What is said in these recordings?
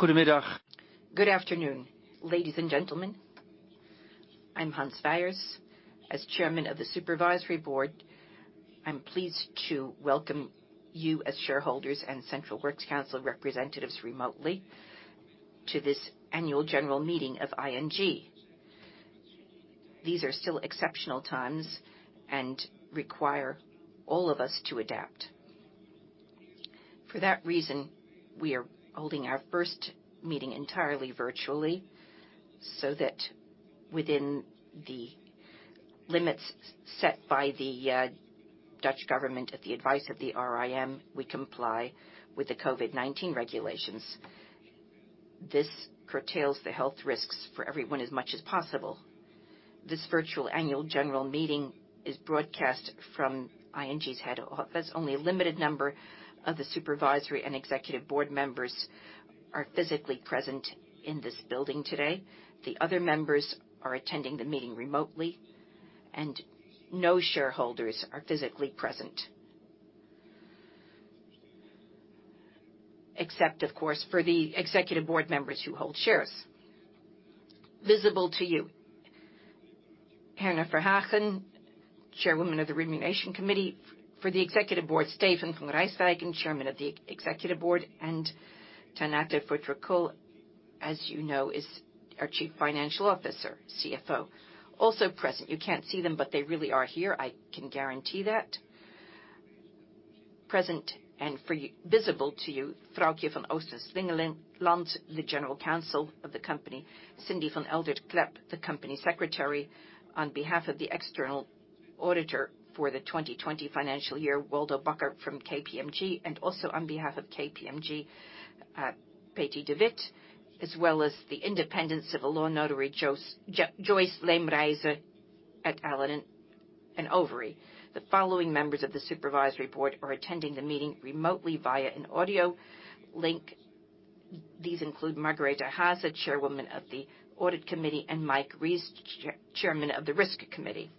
Good afternoon, ladies and gentlemen. I'm Hans Wijers. As chairman of the supervisory board, I'm pleased to welcome you as shareholders and central works council representatives remotely to this annual general meeting of ING. These are still exceptional times and require all of us to adapt. For that reason, we are holding our first meeting entirely virtually, so that within the limits set by the Dutch government at the advice of the RIVM, we comply with the Covid-19 regulations. This curtails the health risks for everyone as much as possible. This virtual annual general meeting is broadcast from ING's headquarters. Only a limited number of the supervisory and executive board members are physically present in this building today. The other members are attending the meeting remotely, and no shareholders are physically present. Except, of course, for the executive board members who hold shares. Visible to you, Herna Verhagen, Chair of the Remuneration Committee. For the Executive Board, Steven van Rijswijk, Chairman of the Executive Board, and Tanate Phutrakul, as you know, is our Chief Financial Officer, CFO. Also present, you can't see them, but they really are here, I can guarantee that. Present and visible to you, Vroukje van Oosten Slingeland, the General Counsel of the company, Cindy van Eldert-Klep, the Company Secretary. On behalf of the external auditor for the 2020 financial year, Waldo Bakker from KPMG, and also on behalf of KPMG, Peti de Wit, as well as the independent civil law notary, Joyce Leemrijse at Allen & Overy. The following members of the Supervisory Board are attending the meeting remotely via an audio link. These include Margarete Haase, Chairwoman of the Audit Committee, and Mike Rees, Chairman of the Risk Committee.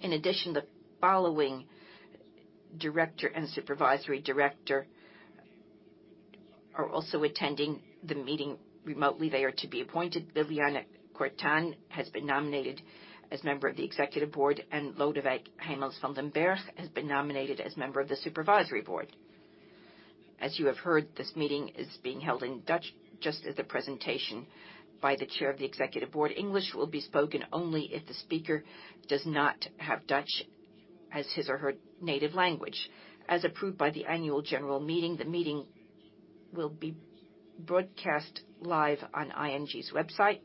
In addition, the following director and supervisory director are also attending the meeting remotely. They are to be appointed. Ljiljana Čortan has been nominated as member of the Executive Board, and Lodewijk Hijmans van den Bergh has been nominated as member of the Supervisory Board. As you have heard, this meeting is being held in Dutch, just as the presentation by the Chair of the Executive Board. English will be spoken only if the speaker does not have Dutch as his or her native language. As approved by the Annual General Meeting, the meeting will be broadcast live on ING's website.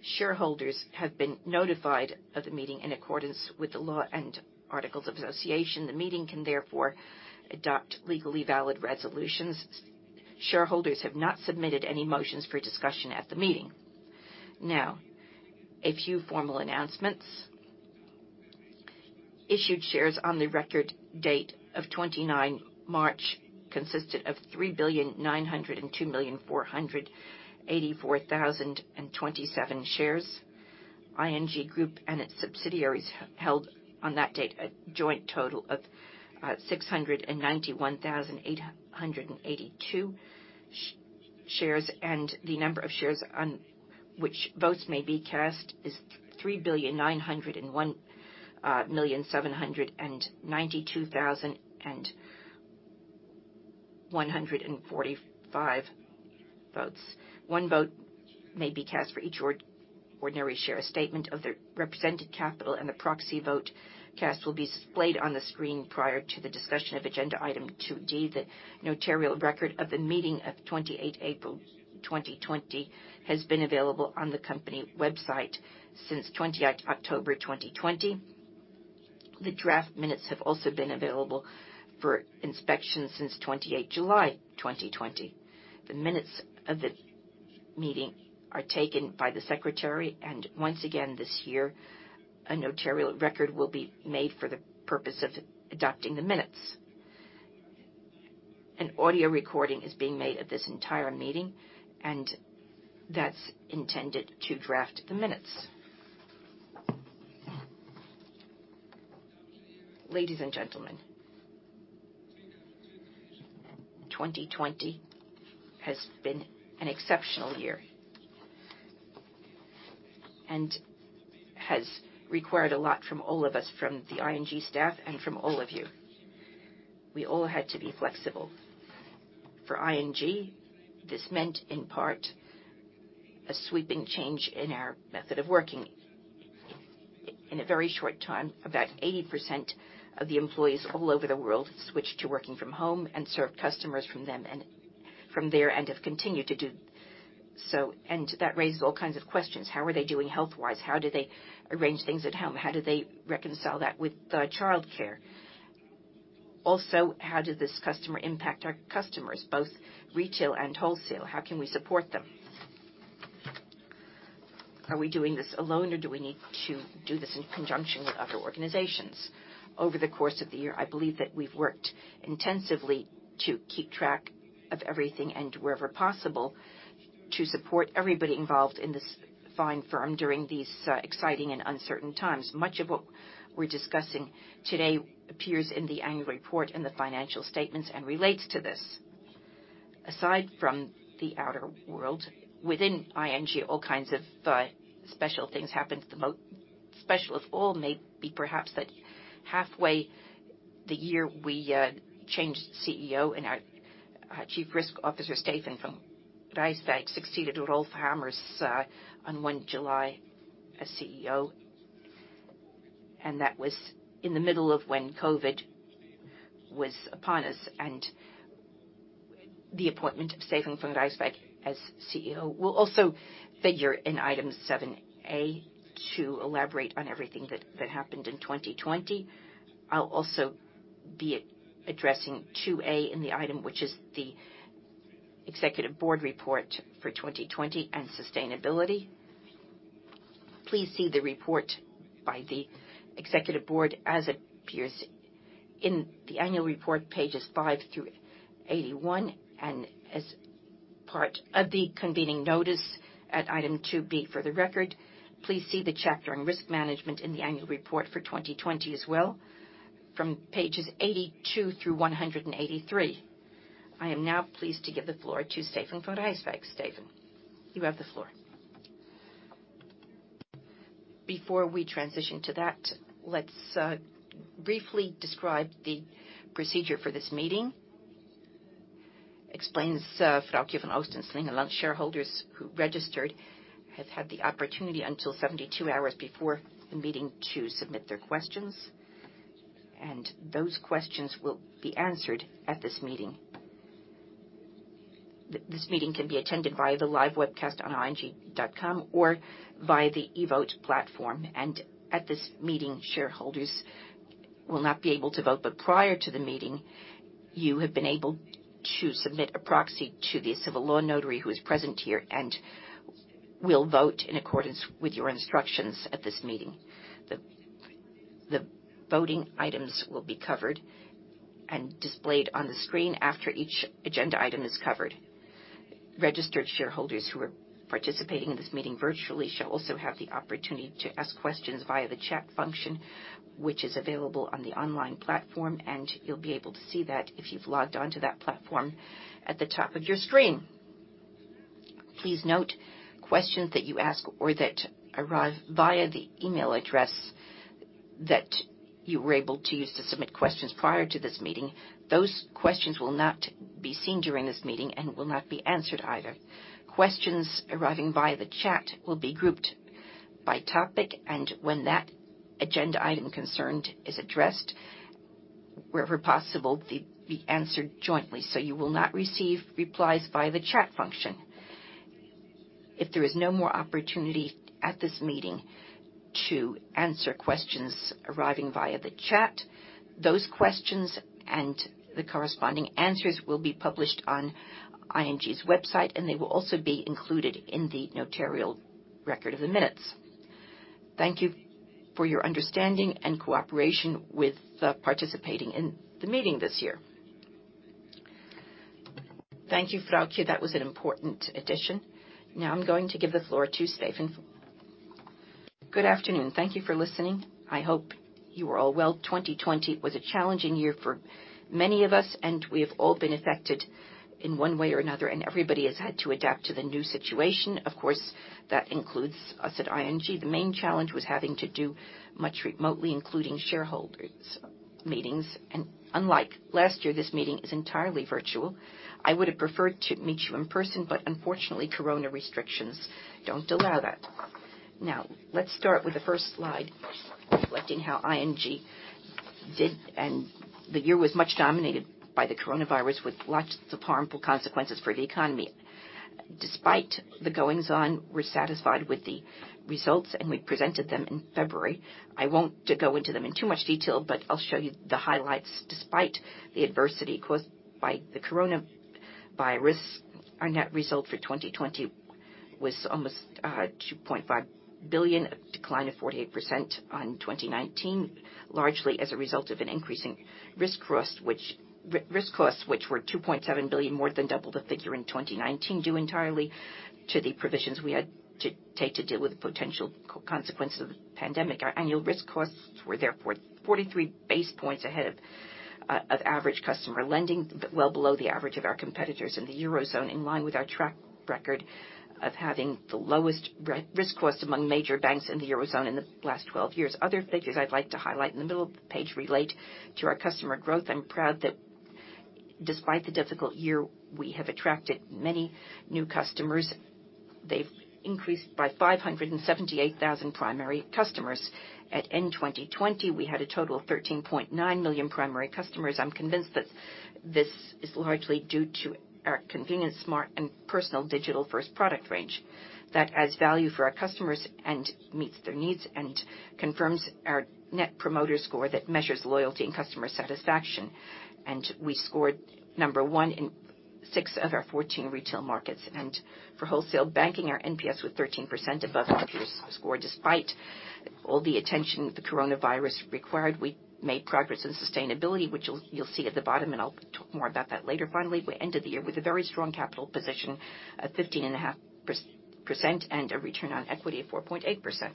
Shareholders have been notified of the meeting in accordance with the law and articles of association. The meeting can therefore adopt legally valid resolutions. Shareholders have not submitted any motions for discussion at the meeting. A few formal announcements. Issued shares on the record date of 29 March consisted of 3,902,484,027 shares. ING Groep and its subsidiaries held on that date a joint total of 691,882 shares, and the number of shares on which votes may be cast is 3,901,792,145 votes. One vote may be cast for each ordinary share. A statement of the represented capital and the proxy vote cast will be displayed on the screen prior to the discussion of agenda item 2D. The notarial record of the meeting of 28 April 2020 has been available on the company website since 28 October 2020. The draft minutes have also been available for inspection since 28 July 2020. The minutes of the meeting are taken by the secretary, and once again this year, a notarial record will be made for the purpose of adopting the minutes. An audio recording is being made of this entire meeting, and that's intended to draft the minutes. Ladies and gentlemen, 2020 has been an exceptional year and has required a lot from all of us, from the ING staff and from all of you. We all had to be flexible. For ING, this meant, in part, a sweeping change in our method of working. In a very short time, about 80% of the employees all over the world switched to working from home and serve customers from there and have continued to do so. That raises all kinds of questions. How are they doing health-wise? How do they arrange things at home? How do they reconcile that with childcare? Also, how did this Covid impact our customers, both retail and wholesale? How can we support them? Are we doing this alone, or do we need to do this in conjunction with other organizations? Over the course of the year, I believe that we've worked intensively to keep track of everything and wherever possible to support everybody involved in this fine firm during these exciting and uncertain times. Much of what we're discussing today appears in the annual report in the financial statements and relates to this. Aside from the outer world, within ING, all kinds of special things happened. The most special of all may be perhaps that halfway the year we changed CEO and our Chief Risk Officer. Steven van Rijswijk succeeded Ralph Hamers on one July as CEO, and that was in the middle of when COVID was upon us and the appointment of Steven van Rijswijk as CEO will also figure in item 7A to elaborate on everything that happened in 2020. I will also be addressing 2A in the item, which is the Executive Board report for 2020 and sustainability. Please see the report by the Executive Board as it appears in the annual report pages five through 81, and as part of the convening notice at item 2B for the record. Please see the chapter on risk management in the annual report for 2020 as well from pages 82 through 183. I am now pleased to give the floor to Steven van Rijswijk. Steven, you have the floor. Before we transition to that, let's briefly describe the procedure for this meeting. Explains, Vroukje van Oosten Slingeland, shareholders who registered have had the opportunity until 72 hours before the meeting to submit their questions, and those questions will be answered at this meeting. This meeting can be attended via the live webcast on ing.com or via the Evote platform. At this meeting, shareholders will not be able to vote. Prior to the meeting, you have been able to submit a proxy to the civil law notary who is present here and will vote in accordance with your instructions at this meeting. The voting items will be covered and displayed on the screen after each agenda item is covered. Registered shareholders who are participating in this meeting virtually shall also have the opportunity to ask questions via the chat function, which is available on the online platform, and you'll be able to see that if you've logged on to that platform at the top of your screen. Please note questions that you ask or that arrive via the email address that you were able to use to submit questions prior to this meeting, those questions will not be seen during this meeting and will not be answered either. Questions arriving via the chat will be grouped by topic and when that agenda item concerned is addressed, wherever possible, they'll be answered jointly so you will not receive replies via the chat function. If there is no more opportunity at this meeting to answer questions arriving via the chat, those questions and the corresponding answers will be published on ING's website, and they will also be included in the notarial record of the minutes. Thank you for your understanding and cooperation with participating in the meeting this year. Thank you, Vroukje. That was an important addition. Now I'm going to give the floor to Steven van Rijswijk. Good afternoon. Thank you for listening. I hope you are all well. 2020 was a challenging year for many of us, and we have all been affected in one way or another, and everybody has had to adapt to the new situation. Of course, that includes us at ING. The main challenge was having to do much remotely, including shareholders' meetings. Unlike last year, this meeting is entirely virtual. I would have preferred to meet you in person, but unfortunately, corona restrictions don't allow that. Let's start with the first slide, reflecting how ING did, and the year was much dominated by the coronavirus, with lots of harmful consequences for the economy. Despite the goings on, we're satisfied with the results, and we presented them in February. I won't go into them in too much detail, but I'll show you the highlights. Despite the adversity caused by the coronavirus, our net result for 2020 was almost 2.5 billion, a decline of 48% on 2019, largely as a result of an increasing risk costs which were 2.7 billion, more than double the figure in 2019, due entirely to the provisions we had to take to deal with the potential consequences of the pandemic. Our annual risk costs were therefore 43 basis points ahead of average customer lending, well below the average of our competitors in the eurozone, in line with our track record of having the lowest risk costs among major banks in the eurozone in the last 12 years. Other figures I'd like to highlight in the middle of the page relate to our customer growth. I'm proud that despite the difficult year, we have attracted many new customers. They've increased by 578,000 primary customers. At end 2020, we had a total of 13.9 million primary customers. I'm convinced that this is largely due to our convenient, smart, and personal digital-first product range that adds value for our customers and meets their needs and confirms our Net Promoter Score that measures loyalty and customer satisfaction. We scored number one in six of our 14 retail markets. For Wholesale Banking, our NPS was 13% above our peer score. Despite all the attention the coronavirus required, we made progress in sustainability, which you'll see at the bottom, and I'll talk more about that later. Finally, we ended the year with a very strong capital position at 15.5% and a return on equity of 4.8%.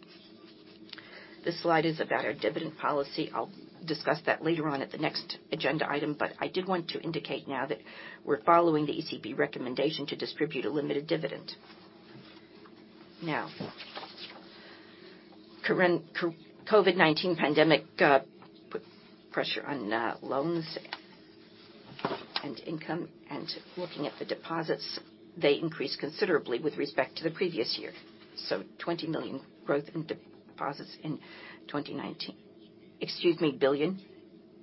This slide is about our dividend policy. I'll discuss that later on at the next agenda item, but I did want to indicate now that we're following the ECB recommendation to distribute a limited dividend. Covid-19 pandemic put pressure on loans and income, and looking at the deposits, they increased considerably with respect to the previous year. 20 million growth in deposits in 2019. Excuse me, 20 billion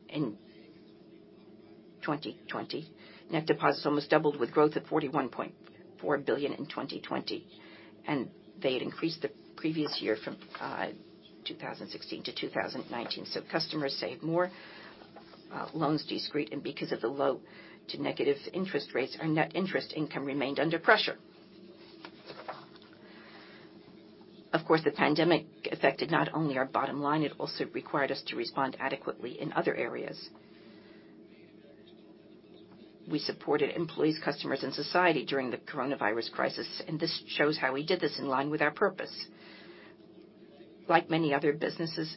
in 2020. Net deposits almost doubled with growth of 41.4 billion in 2020, and they had increased the previous year from 2016 to 2019. Customers save more, loans decreased, and because of the low to negative interest rates, our net interest income remained under pressure. Of course, the pandemic affected not only our bottom line, it also required us to respond adequately in other areas. We supported employees, customers, and society during the coronavirus crisis, and this shows how we did this in line with our purpose. Like many other businesses,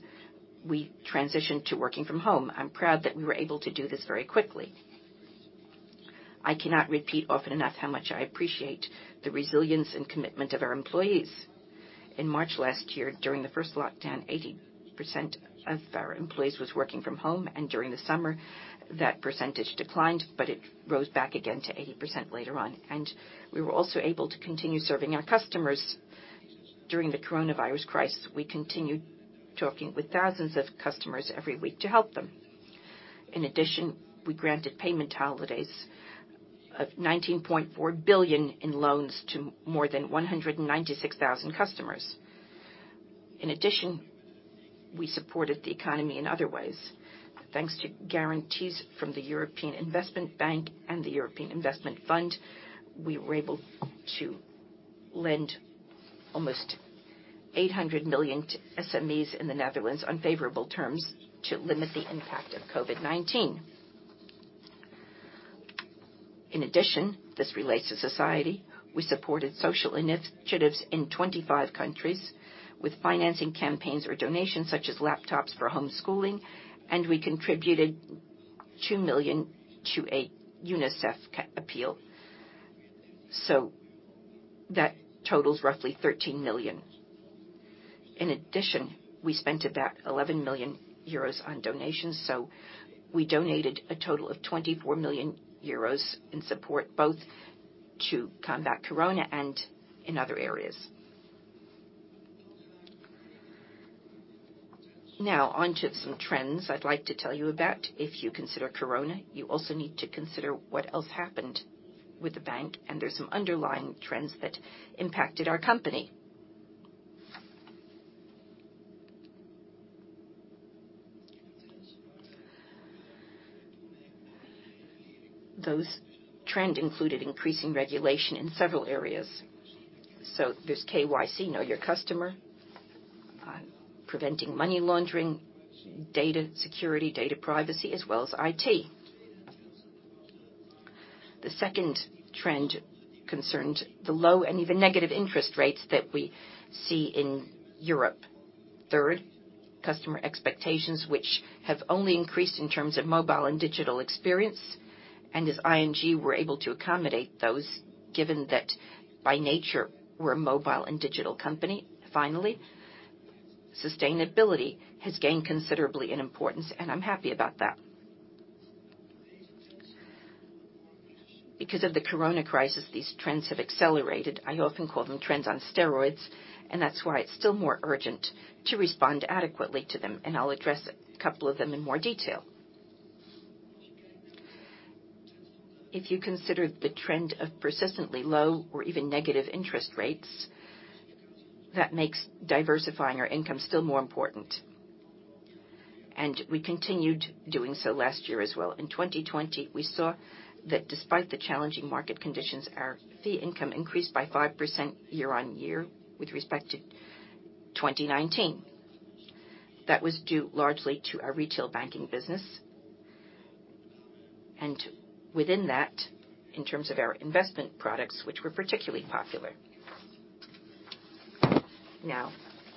we transitioned to working from home. I'm proud that we were able to do this very quickly. I cannot repeat often enough how much I appreciate the resilience and commitment of our employees. In March last year, during the first lockdown, 80% of our employees was working from home, during the summer, that percentage declined, but it rose back again to 80% later on. We were also able to continue serving our customers during the coronavirus crisis. We continued talking with thousands of customers every week to help them. In addition, we granted payment holidays of EUR 19.4 billion in loans to more than 196,000 customers. In addition, we supported the economy in other ways. Thanks to guarantees from the European Investment Bank and the European Investment Fund, we were able to lend almost 800 million to SMEs in the Netherlands on favorable terms to limit the impact of COVID-19. This relates to society. We supported social initiatives in 25 countries with financing campaigns or donations such as laptops for homeschooling, and we contributed 2 million to a UNICEF appeal. That totals roughly 13 million. We spent about 11 million euros on donations, so we donated a total of 24 million euros in support, both to combat corona and in other areas. Onto some trends I'd like to tell you about. If you consider corona, you also need to consider what else happened with the bank, and there's some underlying trends that impacted our company. Those trends included increasing regulation in several areas. There's KYC, know your customer, preventing money laundering, data security, data privacy as well as IT. The second trend concerned the low and even negative interest rates that we see in Europe. Third, customer expectations, which have only increased in terms of mobile and digital experience, and as ING were able to accommodate those, given that by nature we're a mobile and digital company. Finally, sustainability has gained considerably in importance, and I'm happy about that. Because of the corona crisis, these trends have accelerated. I often call them trends on steroids, and that's why it's still more urgent to respond adequately to them, and I'll address a couple of them in more detail. If you consider the trend of persistently low or even negative interest rates, that makes diversifying our income still more important, and we continued doing so last year as well. In 2020, we saw that despite the challenging market conditions, our fee income increased by 5% year-on-year with respect to 2019. That was due largely to our retail banking business, and within that, in terms of our investment products, which were particularly popular.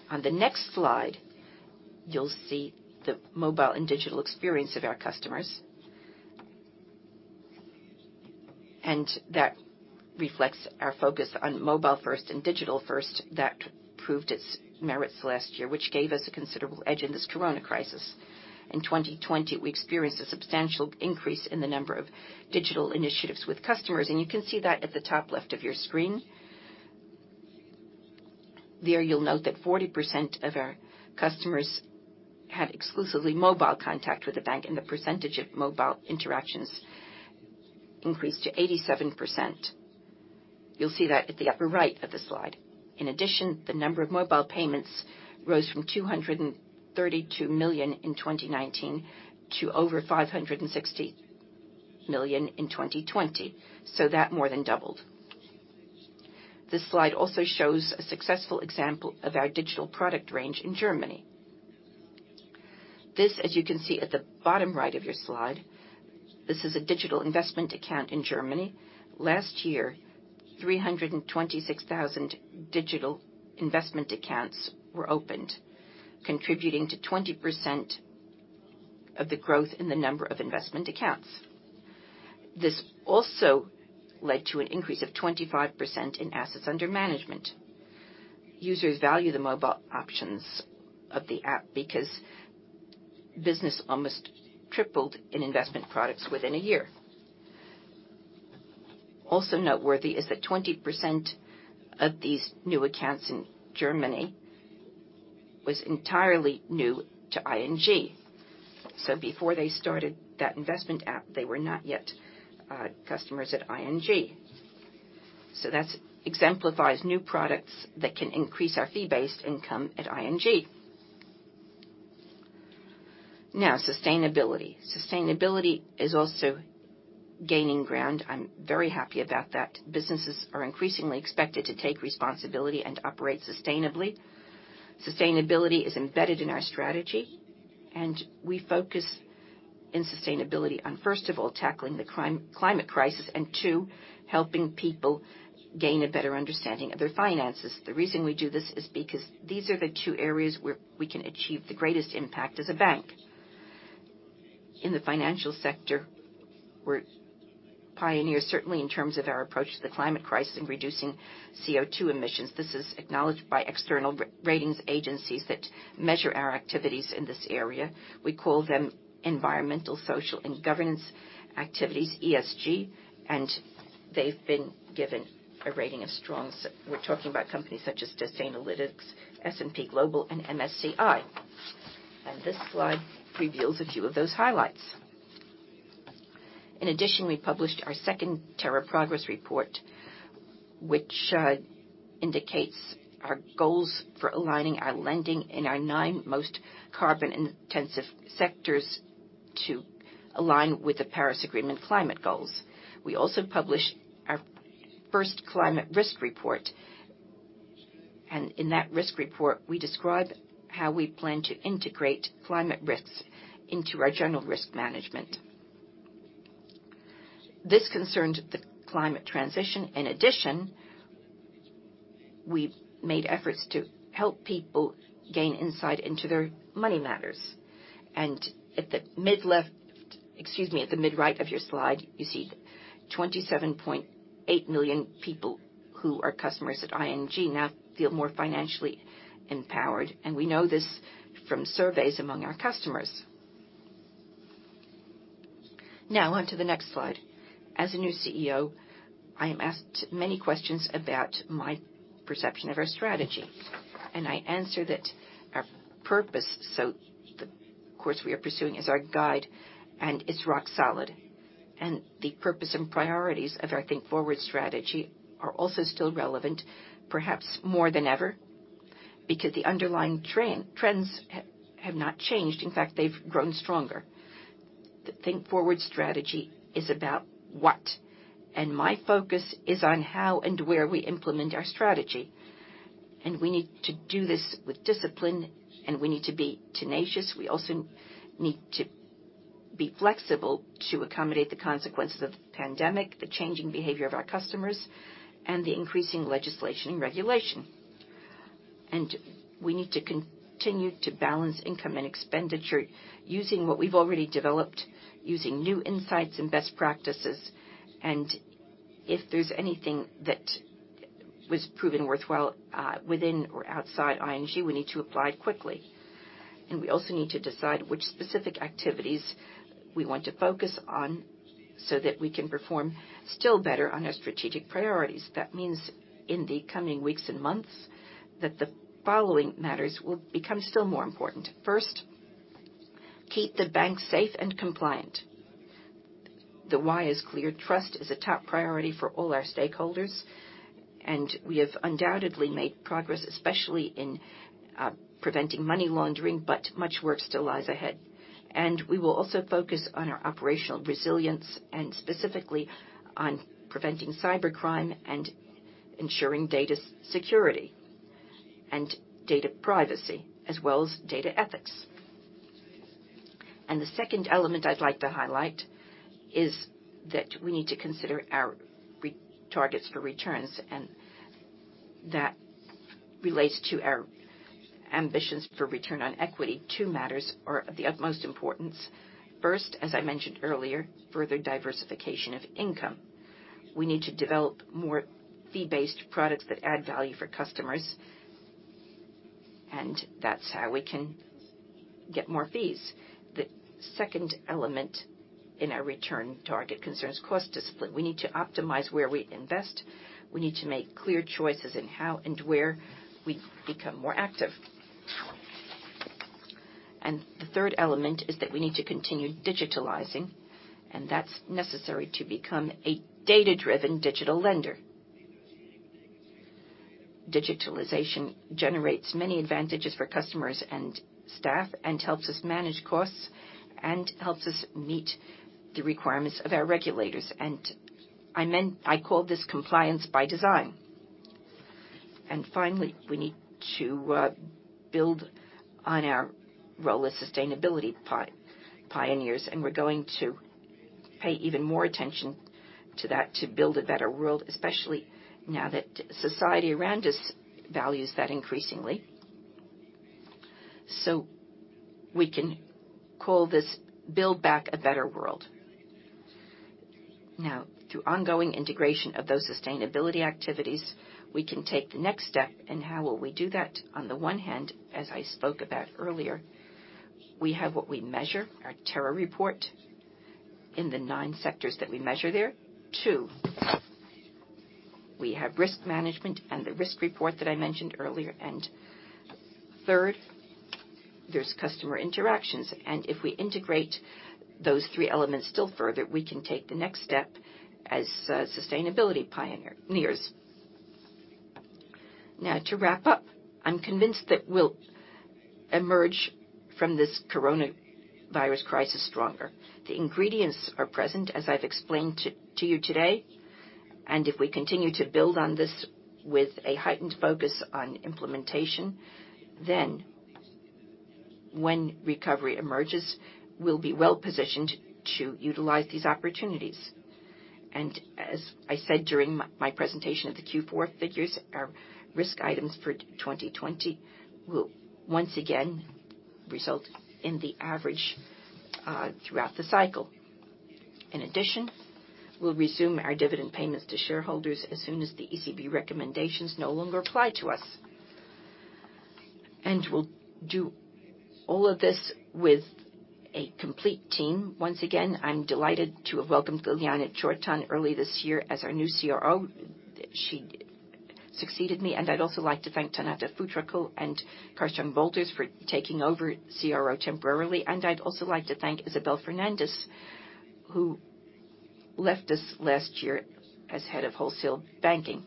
On the next slide, you'll see the mobile and digital experience of our customers. That reflects our focus on mobile first and digital first that proved its merits last year, which gave us a considerable edge in this Covid-19 crisis. In 2020, we experienced a substantial increase in the number of digital initiatives with customers, you can see that at the top left of your screen. There you'll note that 40% of our customers had exclusively mobile contact with the bank, the percentage of mobile interactions increased to 87%. You'll see that at the upper right of the slide. In addition, the number of mobile payments rose from 232 million in 2019 to over 560 million in 2020. That more than doubled. This slide also shows a successful example of our digital product range in Germany. This, as you can see at the bottom right of your slide, this is a digital investment account in Germany. Last year, 326,000 digital investment accounts were opened, contributing to 20% of the growth in the number of investment accounts. This also led to an increase of 25% in assets under management. Users value the mobile options of the app because business almost tripled in investment products within a year. Also noteworthy is that 20% of these new accounts in Germany was entirely new to ING. Before they started that investment app, they were not yet customers at ING. That exemplifies new products that can increase our fee-based income at ING. Now, sustainability. Sustainability is also gaining ground. I'm very happy about that. Businesses are increasingly expected to take responsibility and operate sustainably. Sustainability is embedded in our strategy, and we focus in sustainability on, first of all, tackling the climate crisis and two, helping people gain a better understanding of their finances. The reason we do this is because these are the two areas where we can achieve the greatest impact as a bank. In the financial sector, we're pioneers, certainly in terms of our approach to the climate crisis in reducing CO2 emissions. This is acknowledged by external ratings agencies that measure our activities in this area. We call them environmental, social, and governance activities, ESG, and they've been given a rating of strong. We're talking about companies such as Sustainalytics, S&P Global, and MSCI. This slide reveals a few of those highlights. We published our second Terra Progress report, which indicates our goals for aligning our lending in our nine most carbon-intensive sectors to align with the Paris Agreement climate goals. We also published our first climate risk report. In that risk report, we describe how we plan to integrate climate risks into our general risk management. This concerned the climate transition. We made efforts to help people gain insight into their money matters. At the mid-left, excuse me, at the mid-right of your slide, you see 27.8 million people who are customers at ING now feel more financially empowered. We know this from surveys among our customers. On to the next slide. As a new CEO, I am asked many questions about my perception of our strategy. I answer that our purpose, so the course we are pursuing is our guide and it's rock solid. The purpose and priorities of our Think Forward strategy are also still relevant, perhaps more than ever, because the underlying trends have not changed. In fact, they've grown stronger. The Think Forward strategy is about what. My focus is on how and where we implement our strategy. We need to do this with discipline, and we need to be tenacious. We also need to be flexible to accommodate the consequences of the pandemic, the changing behavior of our customers, and the increasing legislation and regulation. We need to continue to balance income and expenditure using what we've already developed, using new insights and best practices. If there's anything that was proven worthwhile within or outside ING, we need to apply it quickly. We also need to decide which specific activities we want to focus on so that we can perform still better on our strategic priorities. That means in the coming weeks and months that the following matters will become still more important. First, keep the bank safe and compliant. The why is clear. Trust is a top priority for all our stakeholders, and we have undoubtedly made progress, especially in preventing money laundering, but much work still lies ahead. We will also focus on our operational resilience and specifically on preventing cybercrime and ensuring data security and data privacy, as well as data ethics. The second element I'd like to highlight is that we need to consider our targets for returns, and that relates to our ambitions for return on equity. Two matters are of the utmost importance. First, as I mentioned earlier, further diversification of income. We need to develop more fee-based products that add value for customers, and that's how we can get more fees. The second element in our return target concerns cost discipline. We need to optimize where we invest. We need to make clear choices in how and where we become more active. The third element is that we need to continue digitalizing, and that's necessary to become a data-driven digital lender. Digitalization generates many advantages for customers and staff and helps us manage costs and helps us meet the requirements of our regulators. I call this compliance by design. Finally, we need to build on our role as sustainability pioneers, and we're going to pay even more attention to that to build a better world, especially now that society around us values that increasingly. We can call this build back a better world. Through ongoing integration of those sustainability activities, we can take the next step and how will we do that? On the one hand, as I spoke about earlier, we have what we measure, our Terra report in the nine sectors that we measure there. Two, we have risk management and the risk report that I mentioned earlier. Third, there's customer interactions. If we integrate those three elements still further, we can take the next step as sustainability pioneers. To wrap up, I'm convinced that we'll emerge from this coronavirus crisis stronger. The ingredients are present, as I've explained to you today, if we continue to build on this with a heightened focus on implementation, then when recovery emerges, we'll be well-positioned to utilize these opportunities. As I said during my presentation of the Q4 figures, our risk items for 2020 will once again result in the average throughout the cycle. In addition, we'll resume our dividend payments to shareholders as soon as the ECB recommendations no longer apply to us. We'll do all of this with a complete team. Once again, I'm delighted to have welcomed Ljiljana Čortan early this year as our new CRO. She succeeded me, and I'd also like to thank Tanate Phutrakul and Karsten Brolters for taking over CRO temporarily. I'd also like to thank Isabel Fernandez, who left us last year as head of wholesale banking.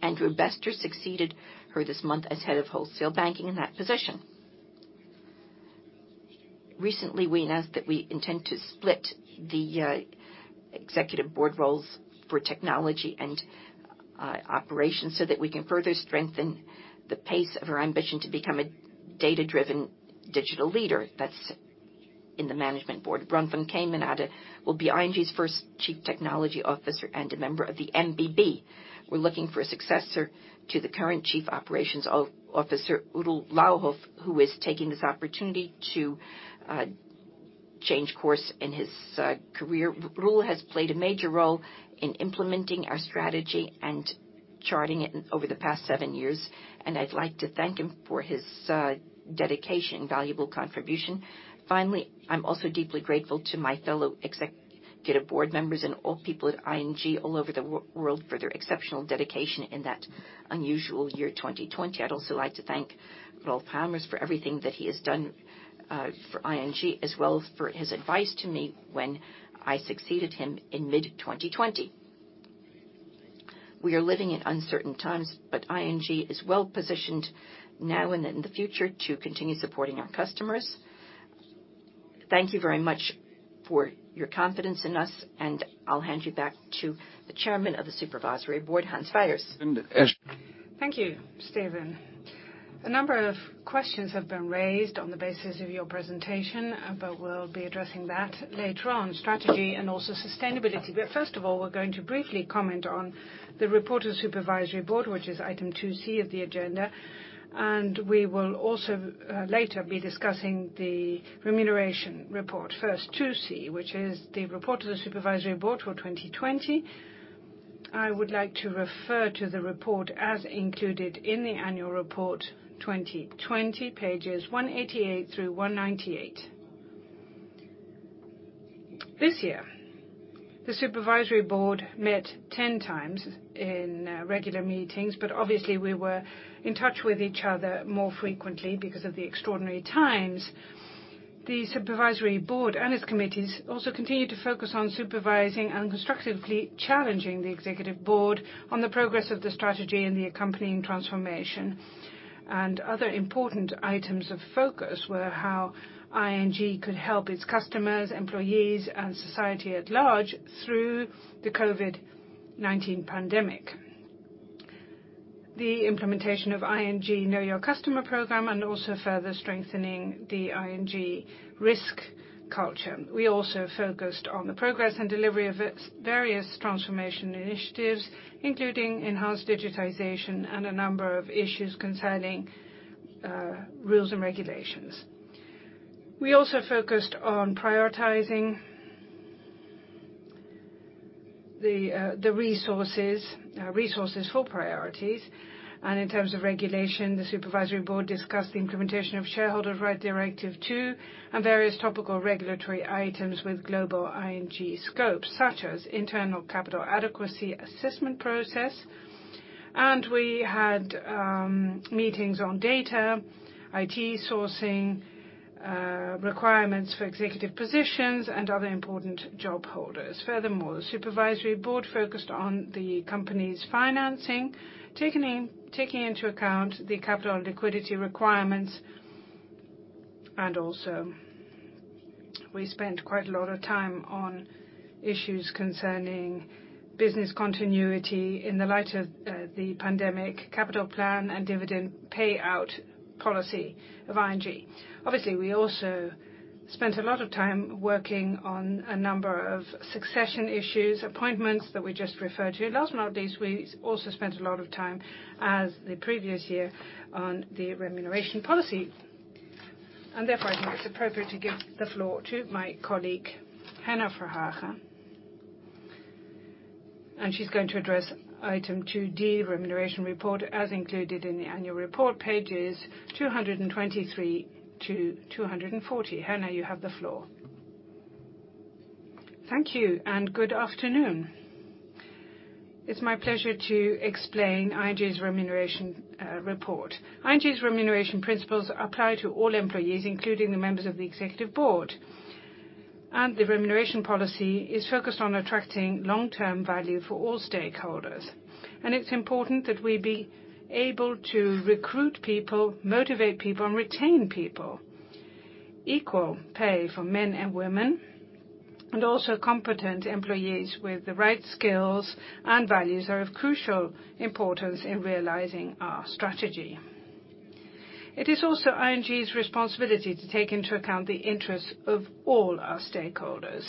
Andrew Bester succeeded her this month as head of Wholesale Banking in that position. Recently, we announced that we intend to split the executive board roles for technology and operations so that we can further strengthen the pace of our ambition to become a data-driven digital leader. That's in the Management Board. Ron van Kemenade will be ING's first Chief Technology Officer and a member of the MBB. We're looking for a successor to the current Chief Operations Officer, Roel Louwhoff, who is taking this opportunity to change course in his career. Roel has played a major role in implementing our strategy and charting it over the past seven years, and I'd like to thank him for his dedication and valuable contribution. Finally, I'm also deeply grateful to my fellow Executive Board members and all people at ING all over the world for their exceptional dedication in that unusual year 2020. I'd also like to thank Ralph Hamers for everything that he has done for ING as well as for his advice to me when I succeeded him in mid-2020. We are living in uncertain times, but ING is well-positioned now and in the future to continue supporting our customers. Thank you very much for your confidence in us, and I'll hand you back to the chairman of the Supervisory Board, Hans Wijers. Thank you, Steven. A number of questions have been raised on the basis of your presentation, but we'll be addressing that later on, strategy and also sustainability. First of all, we're going to briefly comment on the report of the Supervisory Board, which is item 2C of the agenda, and we will also later be discussing the Remuneration Report. First, 2C, which is the report of the Supervisory Board for 2020. I would like to refer to the report as included in the Annual Report 2020, pages 188-198. This year, the Supervisory Board met 10x in regular meetings, but obviously we were in touch with each other more frequently because of the extraordinary times. The Supervisory Board and its committees also continued to focus on supervising and constructively challenging the Executive Board on the progress of the strategy and the accompanying transformation. Other important items of focus were how ING could help its customers, employees, and society at large through the Covid-19 pandemic. The implementation of ING Know Your Customer program and also further strengthening the ING risk culture. We also focused on the progress and delivery of its various transformation initiatives, including enhanced digitization and a number of issues concerning rules and regulations. We also focused on prioritizing the resources for priorities, and in terms of regulation, the Supervisory Board discussed the implementation of Shareholder Rights Directive II and various topical regulatory items with global ING scope, such as internal capital adequacy assessment process. We had meetings on data, IT sourcing, requirements for executive positions, and other important job holders. Furthermore, the Supervisory Board focused on the company's financing, taking into account the capital liquidity requirements. We also spent quite a lot of time on issues concerning business continuity in the light of the pandemic capital plan and dividend payout policy of ING. We also spent a lot of time working on a number of succession issues, appointments that we just referred to. Last but not least, we also spent a lot of time, as the previous year, on the remuneration policy. I think it's appropriate to give the floor to my colleague, Herna Verhagen. She's going to address item 2D, remuneration report as included in the annual report, pages 223-240. Herna, you have the floor. Thank you, and good afternoon. It's my pleasure to explain ING's remuneration report. ING's remuneration principles apply to all employees, including the members of the Executive Board. The remuneration policy is focused on attracting long-term value for all stakeholders. It's important that we be able to recruit people, motivate people, and retain people. Equal pay for men and women, also competent employees with the right skills and values are of crucial importance in realizing our strategy. It is also ING's responsibility to take into account the interests of all our stakeholders.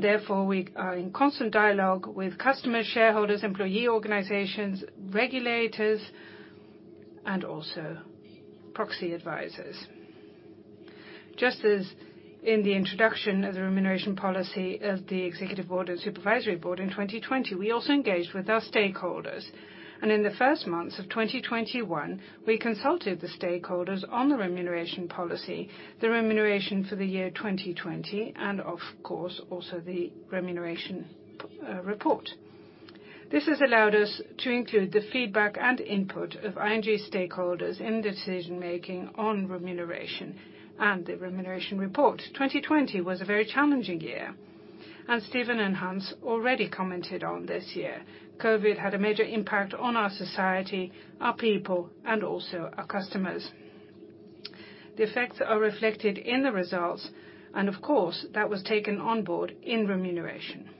Therefore, we are in constant dialogue with customers, shareholders, employee organizations, regulators, and also proxy advisors. Just as in the introduction of the remuneration policy of the Executive Board and Supervisory Board in 2020, we also engaged with our stakeholders. In the first months of 2021, we consulted the stakeholders on the remuneration policy, the remuneration for the year 2020, and of course, also the remuneration report. This has allowed us to include the feedback and input of ING stakeholders in decision-making on remuneration and the remuneration report. 2020 was a very challenging year. Steven and Hans already commented on this year. COVID had a major impact on our society, our people, and also our customers. The effects are reflected in the results. Of course, that was taken on board in remuneration.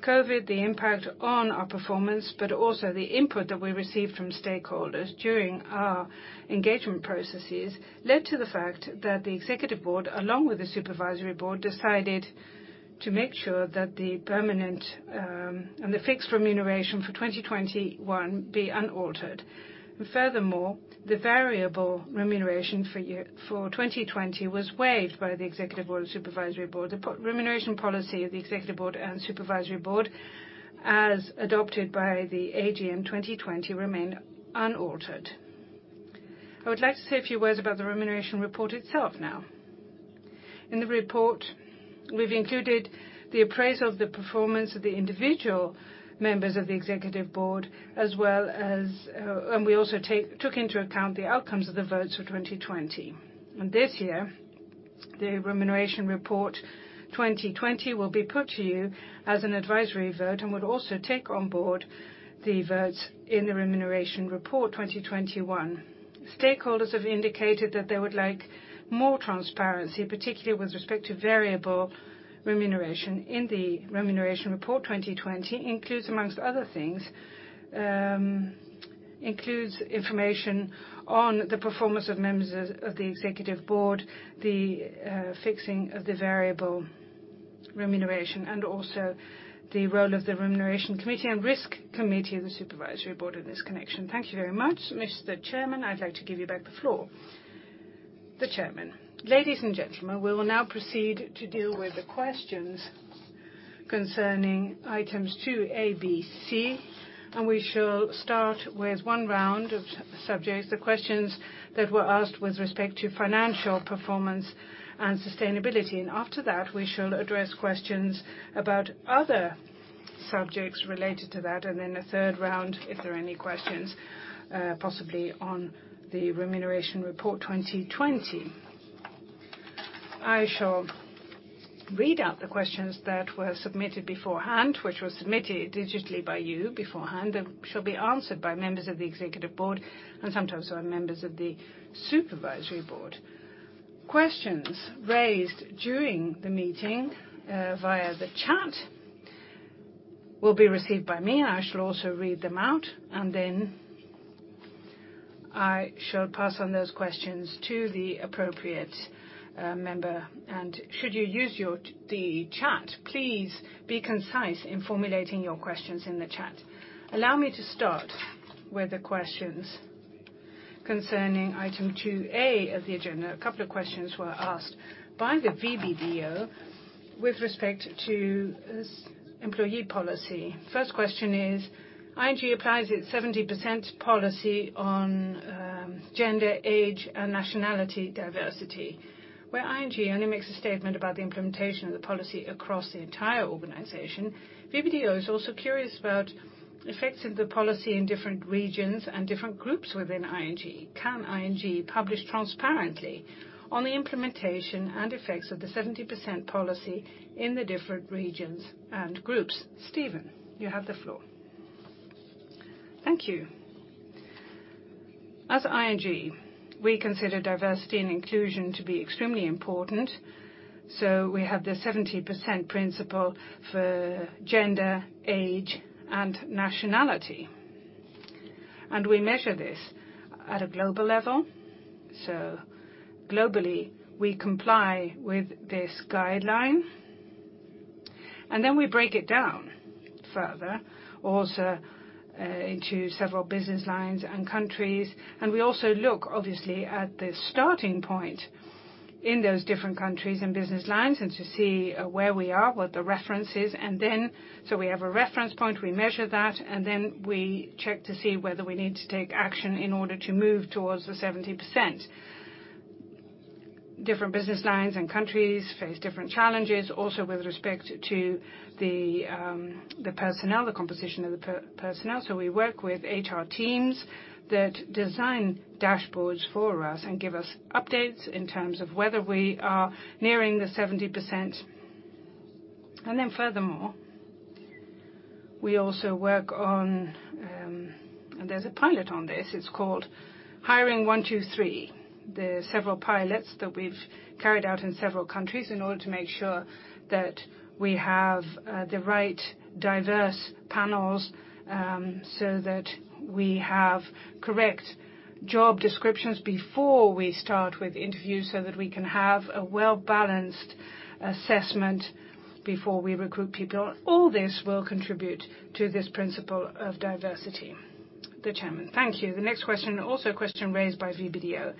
COVID, the impact on our performance, but also the input that we received from stakeholders during our engagement processes, led to the fact that the Executive Board, along with the Supervisory Board, decided to make sure that the permanent and the fixed remuneration for 2021 be unaltered. Furthermore, the variable remuneration for 2020 was waived by the Executive Board and Supervisory Board. The remuneration policy of the Executive Board and Supervisory Board, as adopted by the AGM 2020, remained unaltered. I would like to say a few words about the remuneration report itself now. In the report, we've included the appraisal of the performance of the individual members of the Executive Board, and we also took into account the outcomes of the votes for 2020. This year, the remuneration report 2020 will be put to you as an advisory vote and would also take on board the votes in the remuneration report 2021. Stakeholders have indicated that they would like more transparency, particularly with respect to variable remuneration. The remuneration report 2020 includes, amongst other things, information on the performance of members of the Executive Board, the fixing of the variable remuneration, and also the role of the Remuneration Committee and Risk Committee of the Supervisory Board in this connection. Thank you very much. Mr. Chairman, I'd like to give you back the floor. The chairman. Ladies and gentlemen, we will now proceed to deal with the questions concerning items 2A, B, C. We shall start with one round of subjects, the questions that were asked with respect to financial performance and sustainability. After that, we shall address questions about other subjects related to that, then a third round, if there are any questions, possibly on the remuneration report 2020. I shall read out the questions that were submitted beforehand, which were submitted digitally by you beforehand, that shall be answered by members of the Executive Board and sometimes our members of the Supervisory Board. Questions raised during the meeting via the chat will be received by me, and I shall also read them out, and then I shall pass on those questions to the appropriate member. Should you use the chat, please be concise in formulating your questions in the chat. Allow me to start with the questions concerning item 2A of the agenda. A couple of questions were asked by the VBDO with respect to employee policy. First question is, ING applies its 70% policy on gender, age, and nationality diversity, where ING only makes a statement about the implementation of the policy across the entire organization. VBDO is also curious about effects of the policy in different regions and different groups within ING. Can ING publish transparently on the implementation and effects of the 70% policy in the different regions and groups? Steven, you have the floor. Thank you. As ING, we consider diversity and inclusion to be extremely important, so we have the 70% principle for gender, age, and nationality. We measure this at a global level, so globally, we comply with this guideline, and then we break it down further also into several business lines and countries. We also look, obviously, at the starting point in those different countries and business lines and to see where we are, what the reference is. We have a reference point, we measure that, and then we check to see whether we need to take action in order to move towards the 70%. Different business lines and countries face different challenges also with respect to the composition of the personnel. We work with HR teams that design dashboards for us and give us updates in terms of whether we are nearing the 70%. Furthermore, we also work on, and there is a pilot on this, it is called Hiring One-Two-Three. There are several pilots that we've carried out in several countries in order to make sure that we have the right diverse panels so that we have correct job descriptions before we start with interviews so that we can have a well-balanced assessment before we recruit people. All this will contribute to this principle of diversity. Thank you. The next question, also a question raised by VBDO.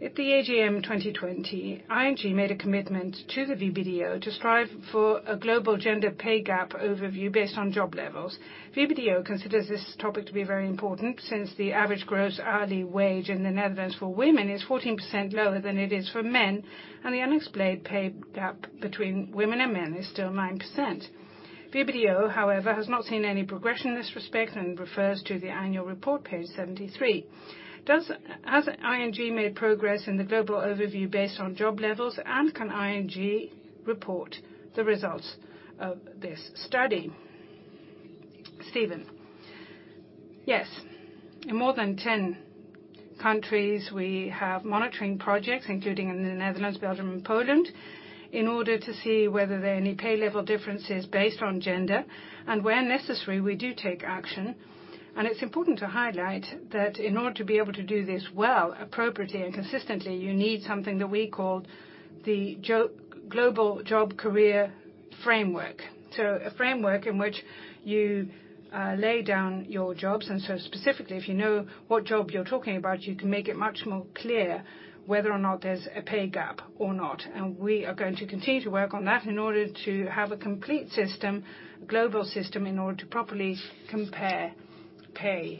At the AGM 2020, ING made a commitment to the VBDO to strive for a global gender pay gap overview based on job levels. VBDO considers this topic to be very important since the average gross hourly wage in the Netherlands for women is 14% lower than it is for men. The unexplained pay gap between women and men is still 9%. VBDO, however, has not seen any progression in this respect and refers to the annual report, page 73. Has ING made progress in the global overview based on job levels, and can ING report the results of this study? Steven. Yes. In more than 10 countries, we have monitoring projects, including in the Netherlands, Belgium, and Poland, in order to see whether there are any pay level differences based on gender. Where necessary, we do take action. It's important to highlight that in order to be able to do this well, appropriately, and consistently, you need something that we call the Global Job Career Framework. A framework in which you lay down your jobs, specifically, if you know what job you're talking about, you can make it much more clear whether or not there's a pay gap or not. We are going to continue to work on that in order to have a complete system, a global system, in order to properly compare pay and jobs. Thank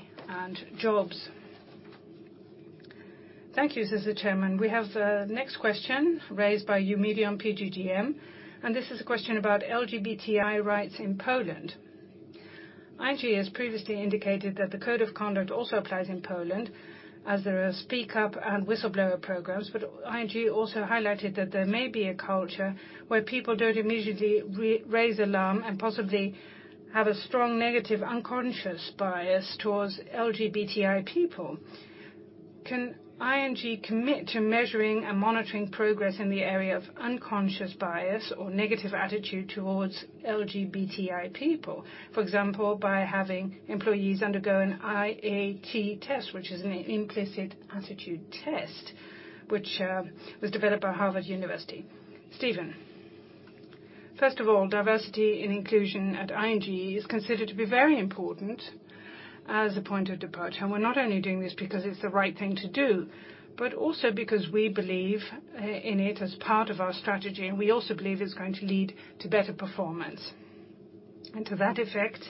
you, says the chairman. We have the next question raised by Eumedion PGGM. This is a question about LGBTI rights in Poland. ING has previously indicated that the code of conduct also applies in Poland as there are speak up and whistleblower programs. ING also highlighted that there may be a culture where people don't immediately raise alarm and possibly have a strong negative unconscious bias towards LGBTI people. Can ING commit to measuring and monitoring progress in the area of unconscious bias or negative attitude towards LGBTI people? For example, by having employees undergo an IAT test, which is an implicit attitude test, which was developed by Harvard University. Steven. First of all, diversity and inclusion at ING is considered to be very important as a point of departure. We're not only doing this because it's the right thing to do, but also because we believe in it as part of our strategy, and we also believe it's going to lead to better performance. To that effect,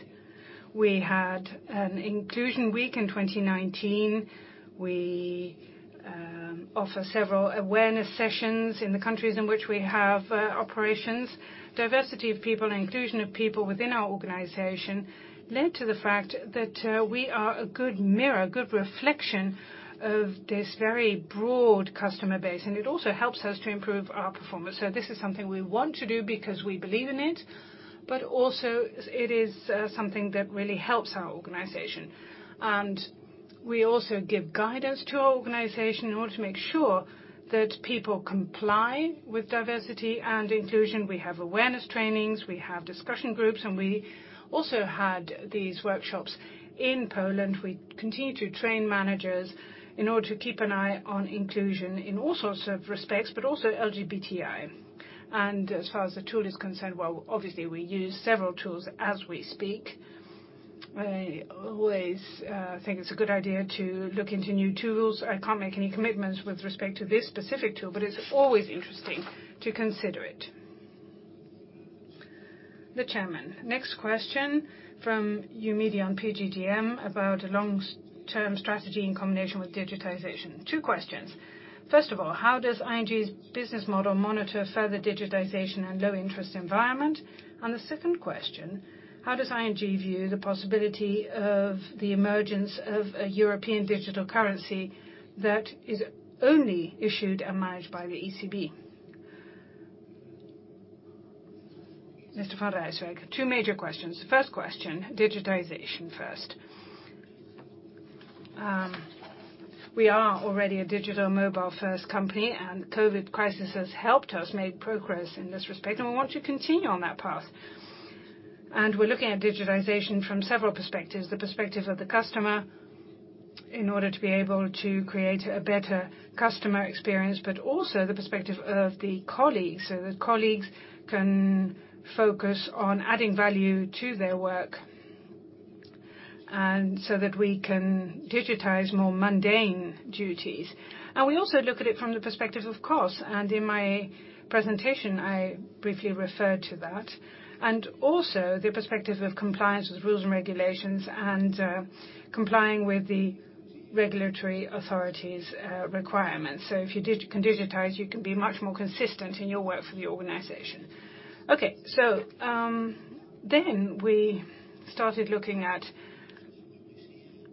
we had an inclusion week in 2019. We offer several awareness sessions in the countries in which we have operations. Diversity of people and inclusion of people within our organization led to the fact that we are a good mirror, a good reflection of this very broad customer base, and it also helps us to improve our performance. This is something we want to do because we believe in it, but also it is something that really helps our organization. We also give guidance to our organization in order to make sure that people comply with diversity and inclusion. We have awareness trainings, we have discussion groups, we also had these workshops in Poland. We continue to train managers in order to keep an eye on inclusion in all sorts of respects, but also LGBTI. As far as the tool is concerned, well, obviously we use several tools as we speak. I always think it's a good idea to look into new tools. I can't make any commitments with respect to this specific tool, but it's always interesting to consider it. Next question from Eumedion PGGM about long-term strategy in combination with digitization. Two questions. First of all, how does ING's business model monitor further digitization and low interest environment? The second question, how does ING view the possibility of the emergence of a European digital currency that is only issued and managed by the ECB? Mr. van Rijswijk. Two major questions. First question, digitization first. We are already a digital mobile-first company, and the COVID crisis has helped us make progress in this respect, and we want to continue on that path. We're looking at digitization from several perspectives. The perspective of the customer, in order to be able to create a better customer experience, but also the perspective of the colleagues, so that colleagues can focus on adding value to their work, and so that we can digitize more mundane duties. We also look at it from the perspective of cost. In my presentation, I briefly referred to that. Also the perspective of compliance with rules and regulations and complying with the regulatory authorities' requirements. If you can digitize, you can be much more consistent in your work for the organization. Okay. We started looking at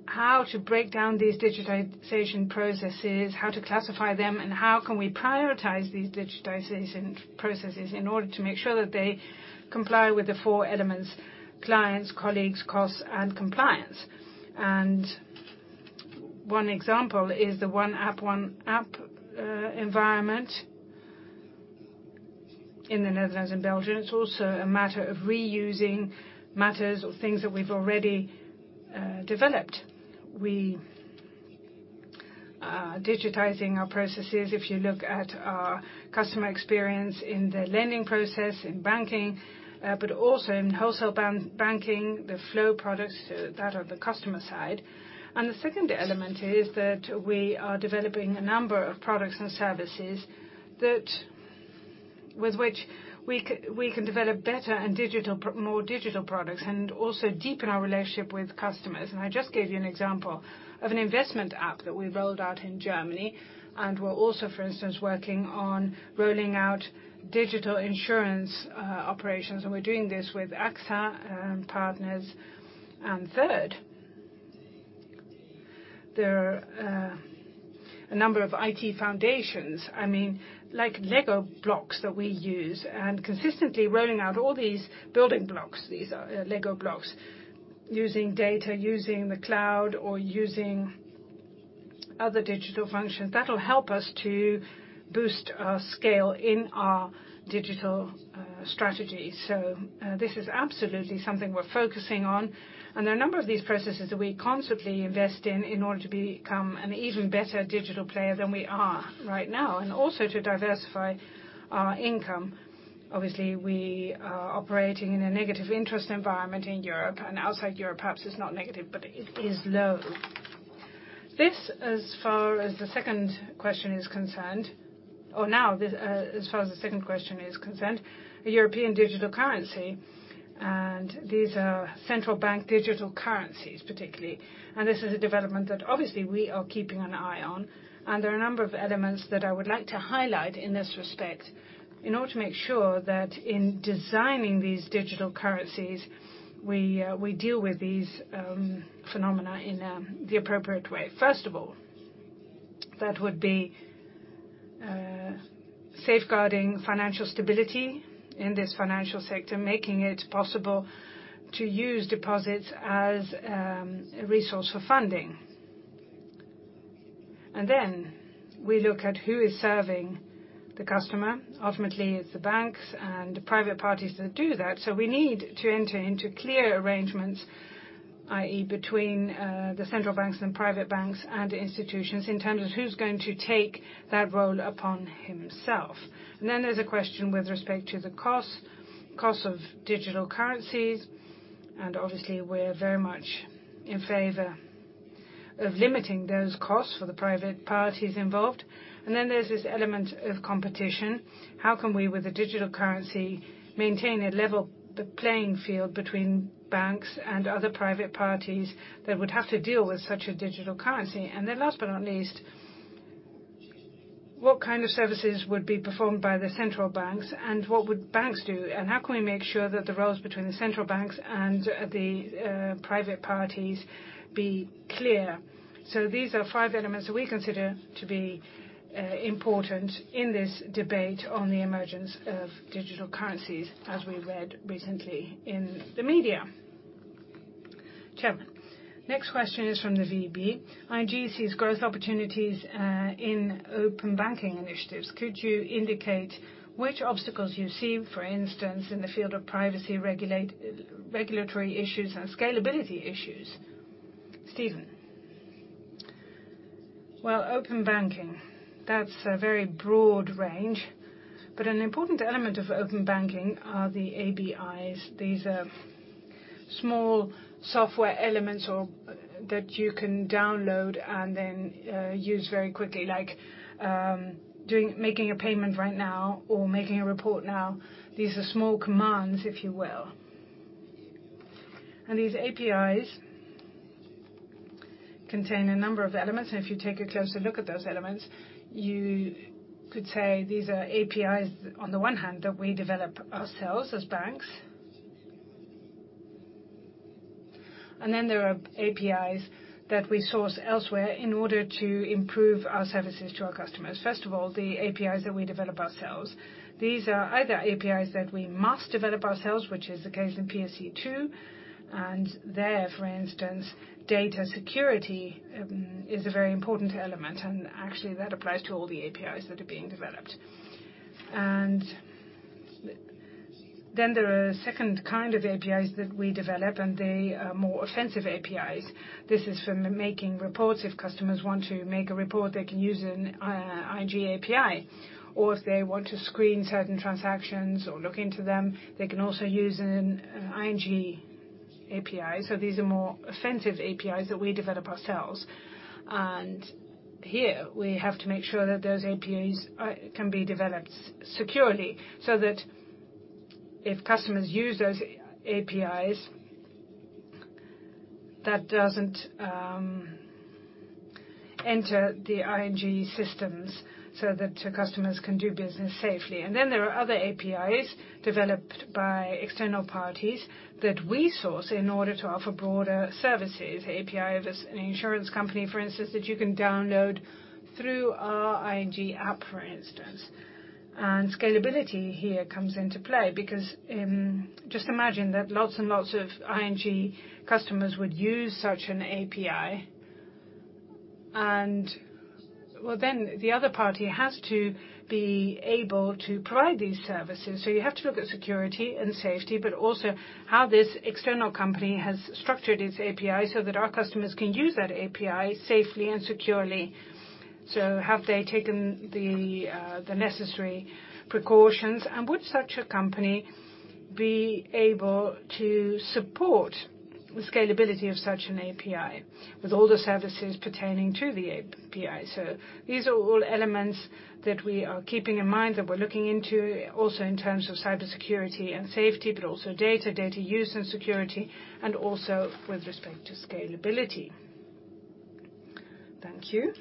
how to break down these digitization processes, how to classify them, and how can we prioritize these digitization processes in order to make sure that they comply with the four elements: clients, colleagues, costs, and compliance. One example is the one app environment in the Netherlands and Belgium. It's also a matter of reusing matters or things that we've already developed. We are digitizing our processes. If you look at our customer experience in the lending process in banking, but also in wholesale banking, the flow products that are the customer side. The second element is that we are developing a number of products and services with which we can develop better and more digital products and also deepen our relationship with customers. I just gave you an example of an investment app that we rolled out in Germany. We're also, for instance, working on rolling out digital insurance operations, and we're doing this with AXA partners. Third, there are a number of IT foundations. I mean, like Lego blocks that we use, and consistently rolling out all these building blocks. These are Lego blocks. Using data, using the cloud, or using other digital functions. That'll help us to boost our scale in our digital strategy. This is absolutely something we're focusing on. There are a number of these processes that we constantly invest in in order to become an even better digital player than we are right now, and also to diversify our income. Obviously, we are operating in a negative interest environment in Europe, and outside Europe, perhaps it is not negative, but it is low. Now, as far as the second question is concerned, a European digital currency, and these are central bank digital currencies, particularly. This is a development that obviously we are keeping an eye on. There are a number of elements that I would like to highlight in this respect. In order to make sure that in designing these digital currencies, we deal with these phenomena in the appropriate way. First of all, that would be safeguarding financial stability in this financial sector, making it possible to use deposits as a resource for funding. We look at who is serving the customer. Ultimately, it's the banks and the private parties that do that. We need to enter into clear arrangements, i.e., between the central banks and private banks and institutions in terms of who's going to take that role upon himself. There's a question with respect to the costs of digital currencies. Obviously, we're very much in favor of limiting those costs for the private parties involved. There's this element of competition. How can we, with a digital currency, maintain a level playing field between banks and other private parties that would have to deal with such a digital currency? Last but not least, what kind of services would be performed by the central banks, and what would banks do? How can we make sure that the roles between the central banks and the private parties be clear? These are five elements that we consider to be important in this debate on the emergence of digital currencies, as we read recently in the media. Next question is from the VEB. "ING sees growth opportunities in open banking initiatives. Could you indicate which obstacles you see, for instance, in the field of privacy regulatory issues and scalability issues?" Well, open banking. That's a very broad range. An important element of open banking are the APIs. These are small software elements that you can download and then use very quickly, like making a payment right now or making a report now. These are small commands, if you will. These APIs contain a number of elements. If you take a closer look at those elements, you could say these are APIs on the one hand that we develop ourselves as banks. There are APIs that we source elsewhere in order to improve our services to our customers. First of all, the APIs that we develop ourselves, these are either APIs that we must develop ourselves, which is the case in PSD2. There, for instance, data security is a very important element and actually that applies to all the APIs that are being developed. There are a second kind of APIs that we develop, and they are more offensive APIs. This is from making reports. If customers want to make a report, they can use an ING API, or if they want to screen certain transactions or look into them, they can also use an ING API. These are more offensive APIs that we develop ourselves. Here we have to make sure that those APIs can be developed securely so that if customers use those APIs, that doesn't enter the ING systems so that customers can do business safely. There are other APIs developed by external parties that we source in order to offer broader services. API of an insurance company, for instance, that you can download through our ING app, for instance. Scalability here comes into play because just imagine that lots and lots of ING customers would use such an API. The other party has to be able to provide these services. You have to look at security and safety, but also how this external company has structured its API so that our customers can use that API safely and securely. Have they taken the necessary precautions? Would such a company be able to support the scalability of such an API with all the services pertaining to the API? These are all elements that we are keeping in mind, that we're looking into also in terms of cybersecurity and safety, but also data use and security, and also with respect to scalability. Thank you.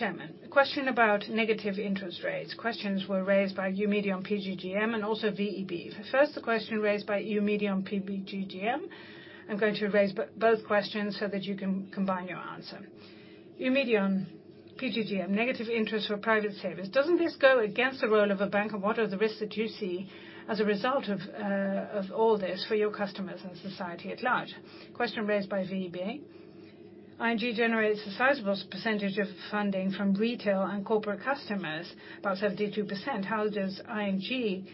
A question about negative interest rates. Questions were raised by Eumedion PGGM and also VEB. First, the question raised by Eumedion PGGM. I'm going to raise both questions so that you can combine your answer. Eumedion PGGM, negative interest for private savings. Doesn't this go against the role of a bank? What are the risks that you see as a result of all this for your customers and society at large? Question raised by VEB. ING generates a sizable percentage of funding from retail and corporate customers, about 72%. How does ING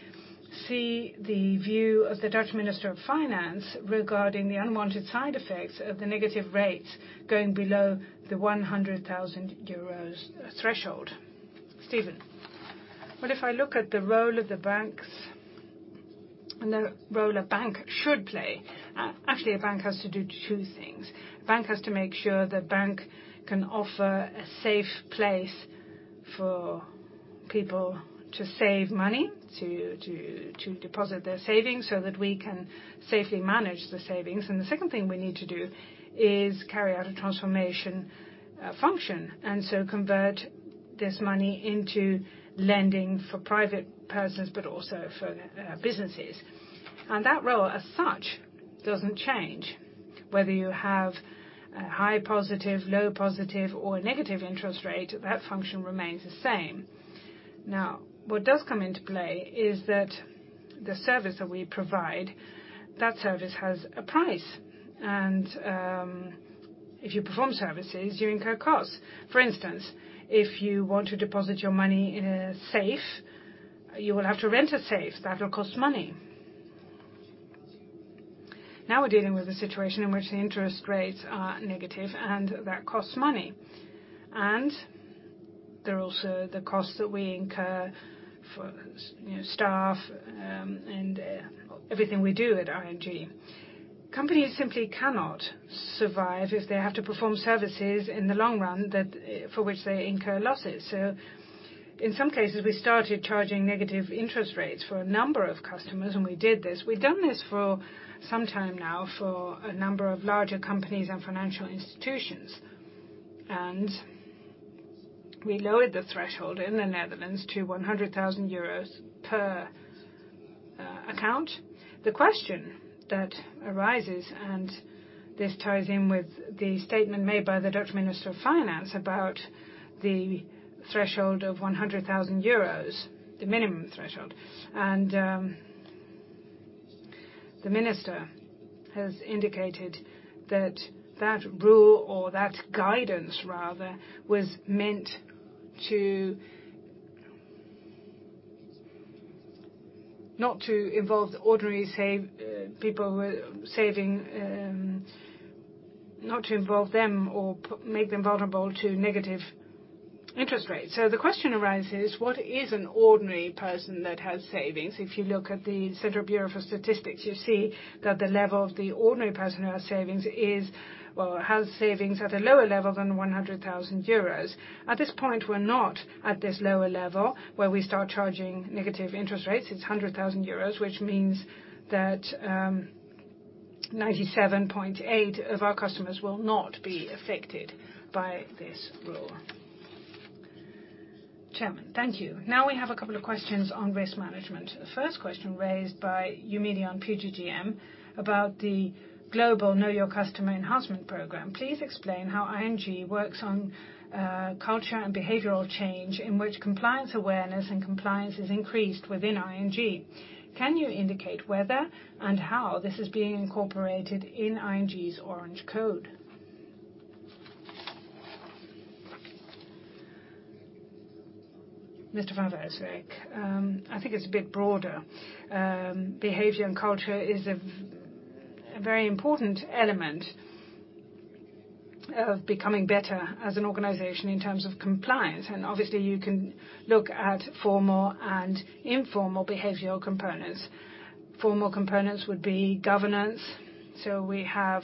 see the view of the Dutch Minister of Finance regarding the unwanted side effects of the negative rates going below the 100,000 euros threshold? If I look at the role of the banks and the role a bank should play, actually a bank has to do two things. Bank has to make sure the bank can offer a safe place for people to save money, to deposit their savings so that we can safely manage the savings. The second thing we need to do is carry out a transformation function, and so convert this money into lending for private persons, but also for businesses. That role as such does not change. Whether you have a high positive, low positive, or a negative interest rate, that function remains the same. What does come into play is that the service that we provide, that service has a price. If you perform services, you incur costs. For instance, if you want to deposit your money in a safe, you will have to rent a safe. That will cost money. We are dealing with a situation in which the interest rates are negative and that costs money. There are also the costs that we incur for staff and everything we do at ING. Companies simply cannot survive if they have to perform services in the long run for which they incur losses. In some cases, we started charging negative interest rates for a number of customers, and we did this. We've done this for some time now for a number of larger companies and financial institutions. We lowered the threshold in the Netherlands to 100,000 euros per account. The question that arises, and this ties in with the statement made by the Dutch Minister of Finance about the threshold of 100,000 euros, the minimum threshold. The minister has indicated that that rule or that guidance rather, was meant not to involve the ordinary people who are saving, not to involve them or make them vulnerable to negative interest rates. The question arises, what is an ordinary person that has savings? If you look at Statistics Netherlands, you see that the level of the ordinary person who has savings is, well, has savings at a lower level than 100,000 euros. At this point, we're not at this lower level where we start charging negative interest rates. It's 100,000 euros, which means that 97.8% of our customers will not be affected by this rule. Chairman, thank you. We have a couple of questions on risk management. The first question raised by Eumedion and PGGM about the global Know Your Customer enhancement program. Please explain how ING works on culture and behavioral change in which compliance awareness and compliance is increased within ING. Can you indicate whether and how this is being incorporated in ING's Orange Code? I think it's a bit broader. Behavior and culture is a very important element of becoming better as an organization in terms of compliance. Obviously you can look at formal and informal behavioral components. Formal components would be governance. We have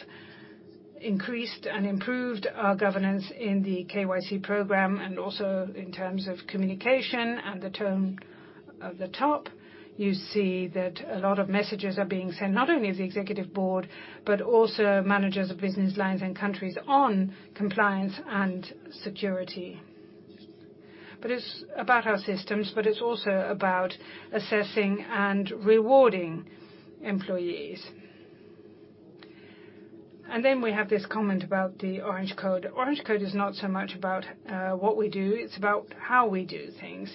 increased and improved our governance in the KYC program, and also in terms of communication and the tone of the top. You see that a lot of messages are being sent, not only of the executive board, but also managers of business lines and countries on compliance and security. It's about our systems, but it's also about assessing and rewarding employees. We have this comment about the Orange Code. Orange Code is not so much about what we do, it's about how we do things,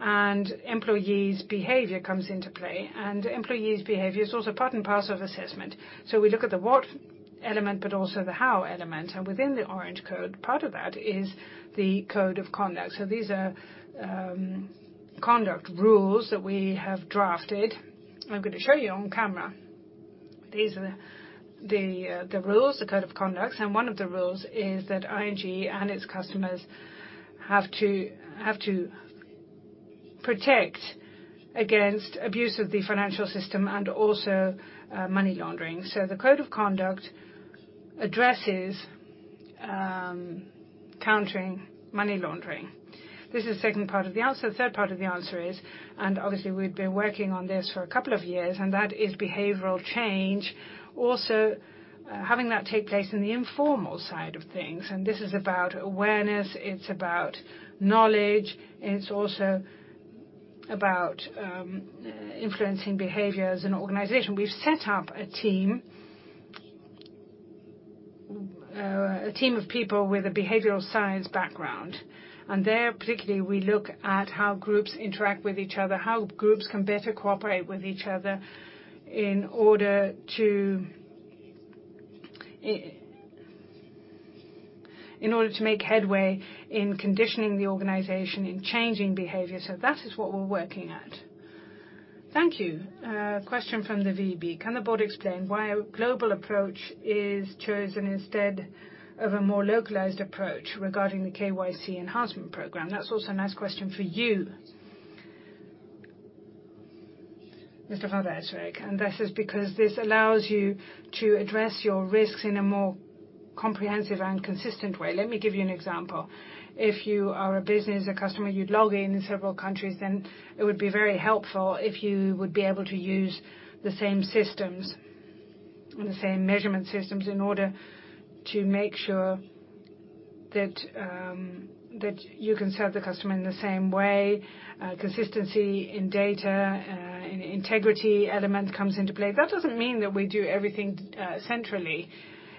and employees' behavior comes into play. Employees' behavior is also part and parcel of assessment. We look at the what element, but also the how element. Within the Orange Code, part of that is the code of conduct. These are conduct rules that we have drafted. I'm going to show you on camera. These are the rules, the code of conduct. One of the rules is that ING and its customers have to protect against abuse of the financial system and also money laundering. The code of conduct addresses countering money laundering. This is the second part of the answer. The third part of the answer is, obviously we've been working on this for a couple of years, and that is behavioral change. Also, having that take place in the informal side of things. This is about awareness, it's about knowledge, it's also about influencing behaviors in an organization. We've set up a team of people with a behavioral science background, and there particularly we look at how groups interact with each other, how groups can better cooperate with each other in order to make headway in conditioning the organization, in changing behavior. That is what we're working at. Thank you. A question from the VEB. Can the board explain why a global approach is chosen instead of a more localized approach regarding the KYC enhancement program? That's also a nice question for you, Mr. van Rijswijk. This is because this allows you to address your risks in a more comprehensive and consistent way. Let me give you an example. If you are a business or customer, you'd log in in several countries, then it would be very helpful if you would be able to use the same systems and the same measurement systems in order to make sure that you can serve the customer in the same way. Consistency in data, an integrity element comes into play. That doesn't mean that we do everything centrally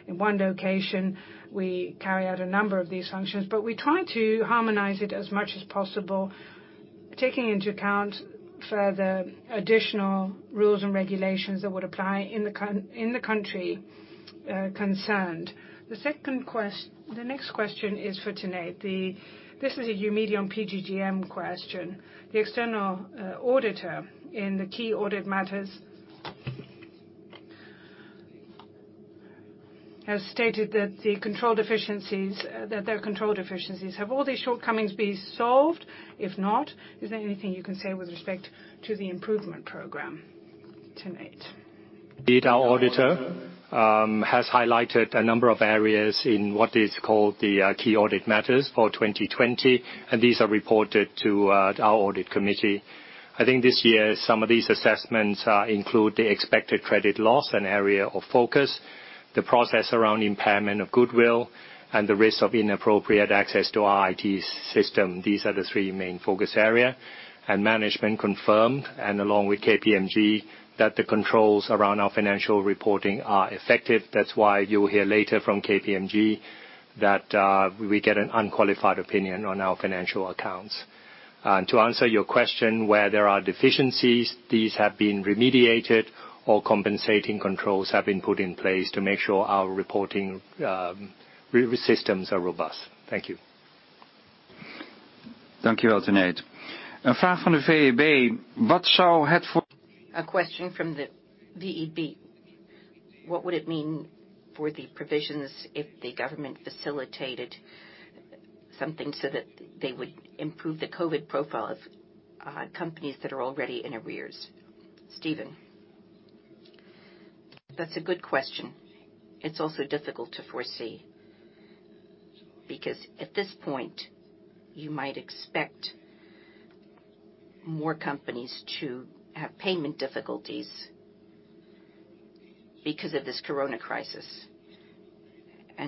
in one location. We carry out a number of these functions, but we try to harmonize it as much as possible, taking into account further additional rules and regulations that would apply in the country concerned. The next question is for Tanate Phutrakul. This is a Eumedion and PGGM question. The external auditor in the key audit matters has stated that there are control deficiencies. Have all these shortcomings been solved? If not, is there anything you can say with respect to the improvement program? Tanate Phutrakul. Indeed, our auditor has highlighted a number of areas in what is called the key audit matters for 2020. These are reported to our Audit Committee. I think this year some of these assessments include the expected credit loss and area of focus, the process around impairment of goodwill, and the risk of inappropriate access to our IT system. These are the three main focus area. Management confirmed, and along with KPMG, that the controls around our financial reporting are effective. That's why you'll hear later from KPMG that we get an unqualified opinion on our financial accounts. To answer your question, where there are deficiencies, these have been remediated or compensating controls have been put in place to make sure our reporting systems are robust. Thank you. Thank you, Tanate. A question from the VEB: What would it mean for the provisions if the government facilitated something so that they would improve the Covid-19 profile of companies that are already in arrears? That's a good question. It's also difficult to foresee, because at this point, you might expect more companies to have payment difficulties because of this corona crisis.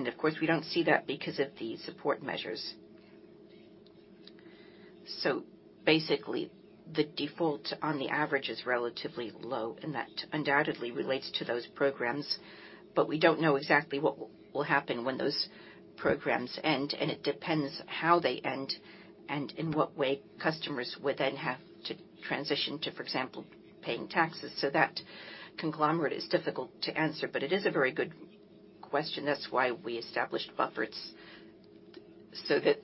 Of course, we don't see that because of the support measures. Basically, the default on the average is relatively low, and that undoubtedly relates to those programs. We don't know exactly what will happen when those programs end, and it depends how they end and in what way customers will then have to transition to, for example, paying taxes. That conglomerate is difficult to answer, but it is a very good question. That's why we established buffers, so that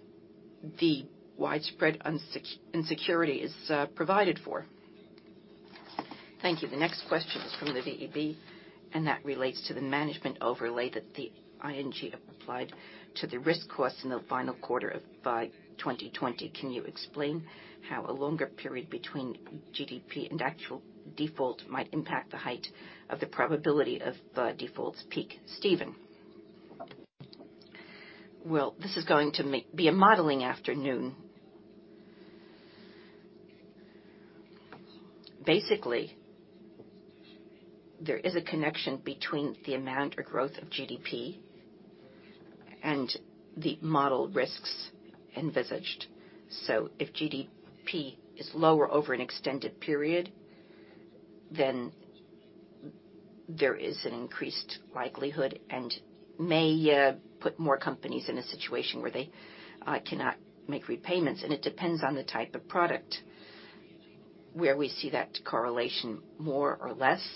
the widespread insecurity is provided for. Thank you. The next question is from the VEB, and that relates to the management overlay that the ING applied to the risk costs in the final quarter of 2020. Can you explain how a longer period between GDP and actual default might impact the height of the probability of defaults peak? Well, this is going to be a modeling afternoon. Basically, there is a connection between the amount or growth of GDP and the model risks envisaged. If GDP is lower over an extended period, there is an increased likelihood and may put more companies in a situation where they cannot make repayments. It depends on the type of product where we see that correlation more or less.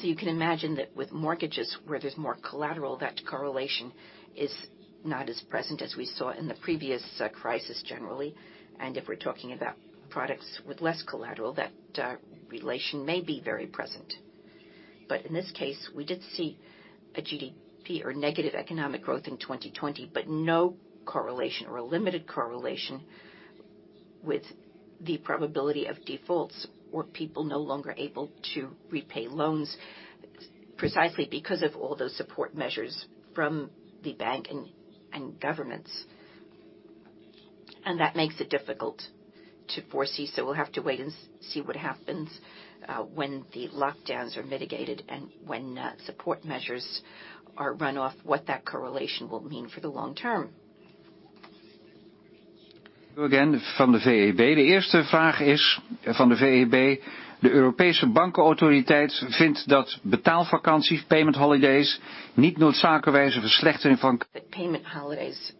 You can imagine that with mortgages where there is more collateral, that correlation is not as present as we saw in the previous crisis generally. If we are talking about products with less collateral, that relation may be very present. In this case, we did see a GDP or negative economic growth in 2020, but no correlation or a limited correlation with the probability of defaults or people no longer able to repay loans, precisely because of all those support measures from the bank and governments. That makes it difficult to foresee. We'll have to wait and see what happens when the lockdowns are mitigated and when support measures are run off, what that correlation will mean for the long term. From the VEB. The first question is from the VEB. The European Banking Authority considers that payment holidays do not necessarily deteriorate creditworthiness forbearance. That payment holidays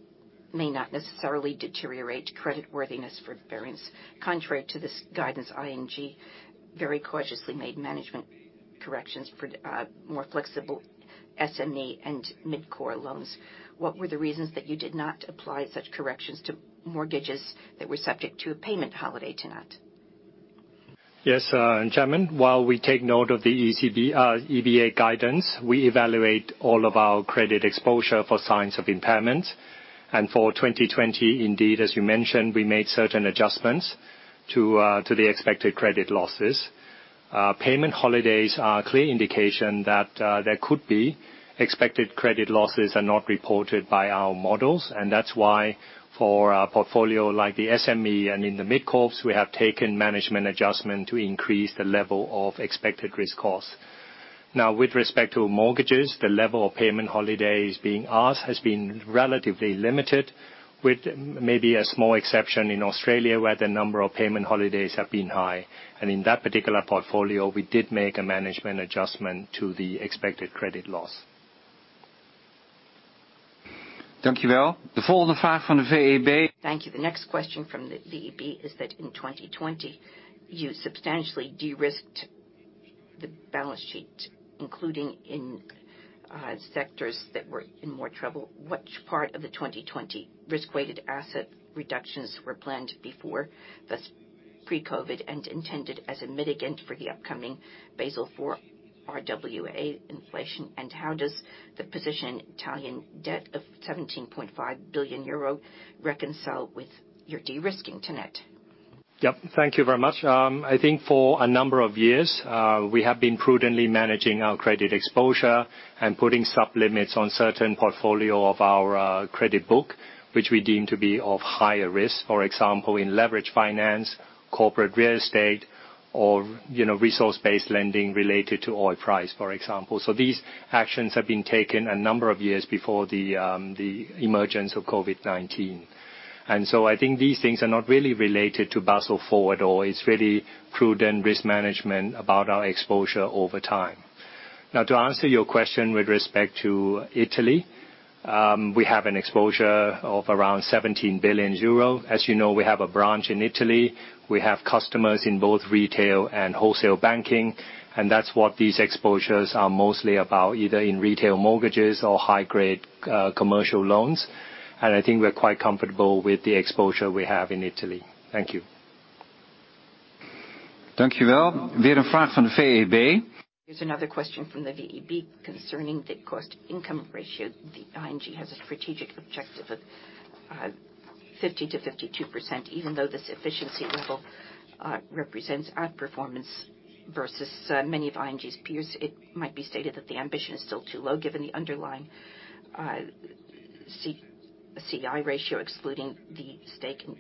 may not necessarily deteriorate creditworthiness forbearance. Contrary to this guidance, ING very cautiously made management corrections for more flexible SME and mid-corp loans. What were the reasons that you did not apply such corrections to mortgages that were subject to a payment holiday, Tanate? Yes, Chairman. While we take note of the EBA guidance, we evaluate all of our credit exposure for signs of impairment. For 2020, indeed, as you mentioned, we made certain adjustments to the expected credit losses. Payment holidays are a clear indication that there could be expected credit losses are not reported by our models. That's why for a portfolio like the SME and in the mid-corps, we have taken management adjustment to increase the level of expected risk cost. With respect to mortgages, the level of payment holidays being asked has been relatively limited, with maybe a small exception in Australia, where the number of payment holidays have been high. In that particular portfolio, we did make a management adjustment to the expected credit loss. Thank you. The following question from the VEB. Thank you. The next question from the VEB is that in 2020 you substantially de-risked the balance sheet, including in sectors that were in more trouble. Which part of the 2020 risk-weighted asset reductions were planned before, thus pre-COVID, and intended as a mitigant for the upcoming Basel IV RWA inflation? How does the position Italian debt of 17.5 billion euro reconcile with your de-risking, Tanate? Yep. Thank you very much. I think for a number of years, we have been prudently managing our credit exposure and putting sub-limits on certain portfolio of our credit book, which we deem to be of higher risk, for example, in leverage finance, corporate real estate, or resource-based lending related to oil price, for example. These actions have been taken a number of years before the emergence of COVID-19. I think these things are not really related to Basel IV at all. It's really prudent risk management about our exposure over time. Now, to answer your question with respect to Italy, we have an exposure of around 17 billion euro. As you know, we have a branch in Italy. We have customers in both retail and wholesale banking, and that's what these exposures are mostly about, either in retail mortgages or high-grade commercial loans. I think we're quite comfortable with the exposure we have in Italy. Thank you. Thank you. Again, a question from the VEB. Here's another question from the VEB concerning the cost-income ratio. The ING has a strategic objective of 50%-52%, even though this efficiency level represents outperformance versus many of ING's peers. It might be stated that the ambition is still too low given the underlying CI ratio excluding the stake in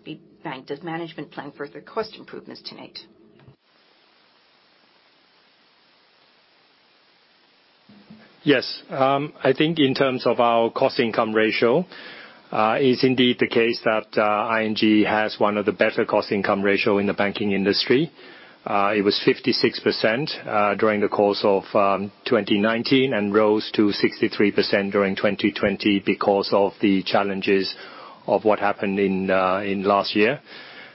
TMB Bank. Does management plan further cost improvements Tenate? Yes. I think in terms of our cost income ratio, it's indeed the case that ING has one of the better cost income ratio in the banking industry. It was 56% during the course of 2019 and rose to 63% during 2020 because of the challenges of what happened in last year.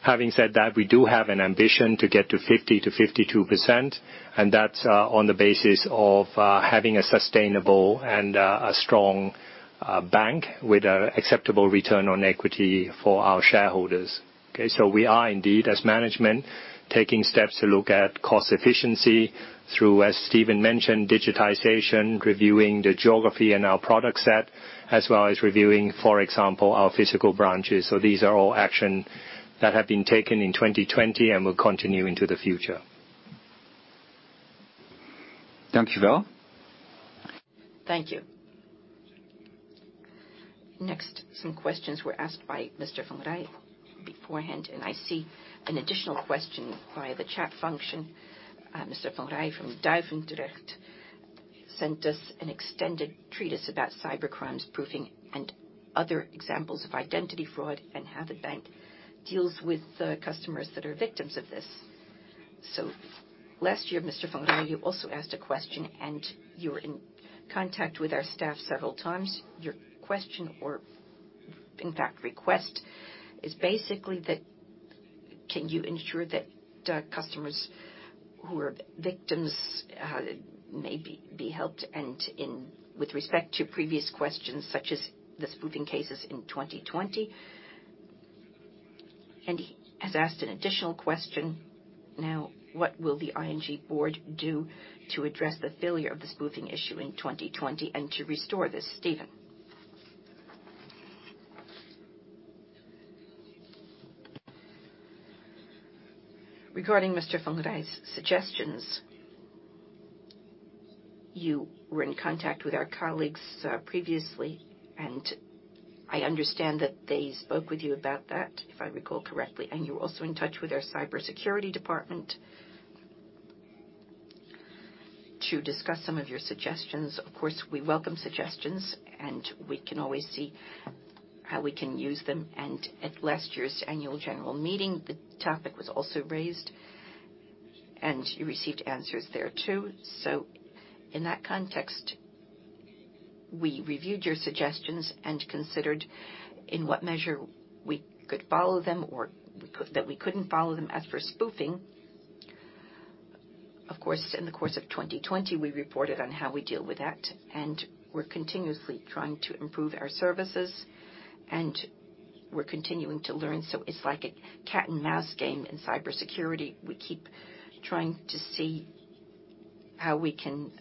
Having said that, we do have an ambition to get to 50%-52%, and that's on the basis of having a sustainable and a strong bank with an acceptable return on equity for our shareholders. Okay, we are indeed, as management, taking steps to look at cost efficiency through, as Steven mentioned, digitization, reviewing the geography and our product set, as well as reviewing, for example, our physical branches. These are all action that have been taken in 2020 and will continue into the future. Thank you. Some questions were asked by Mr. Van Rij beforehand. I see an additional question via the chat function. Mr. Van Rij from Duivendrecht sent us an extended treatise about cybercrimes, spoofing and other examples of identity fraud and how the bank deals with customers that are victims of this. Last year, Mr. Van Rij, you also asked a question, and you were in contact with our staff several times. Your question, or in fact request, is basically can you ensure that customers who are victims may be helped and with respect to previous questions such as the spoofing cases in 2020? He has asked an additional question now, what will the ING Board do to address the failure of the spoofing issue in 2020 and to restore this? Steven. Regarding Mr. Van Rij's suggestions, you were in contact with our colleagues previously, and I understand that they spoke with you about that, if I recall correctly, and you were also in touch with our cybersecurity department to discuss some of your suggestions. Of course, we welcome suggestions, and we can always see how we can use them, and at last year's annual general meeting, the topic was also raised, and you received answers there too. In that context, we reviewed your suggestions and considered in what measure we could follow them or that we couldn't follow them. As for spoofing, of course, in the course of 2020, we reported on how we deal with that and we're continuously trying to improve our services and we're continuing to learn. It's like a cat and mouse game in cybersecurity. We keep trying to see how we can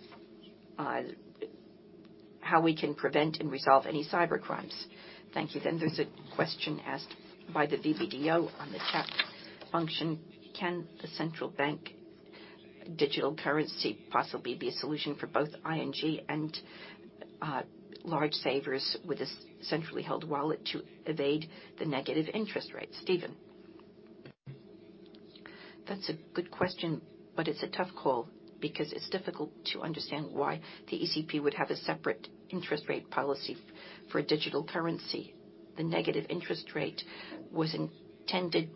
prevent and resolve any cyber crimes. Thank you. There's a question asked by the VBDO on the chat function. Can a central bank digital currency possibly be a solution for both ING and large savers with a centrally held wallet to evade the negative interest rates? Steven. That's a good question, it's a tough call because it's difficult to understand why the ECB would have a separate interest rate policy for a digital currency. The negative interest rate was intended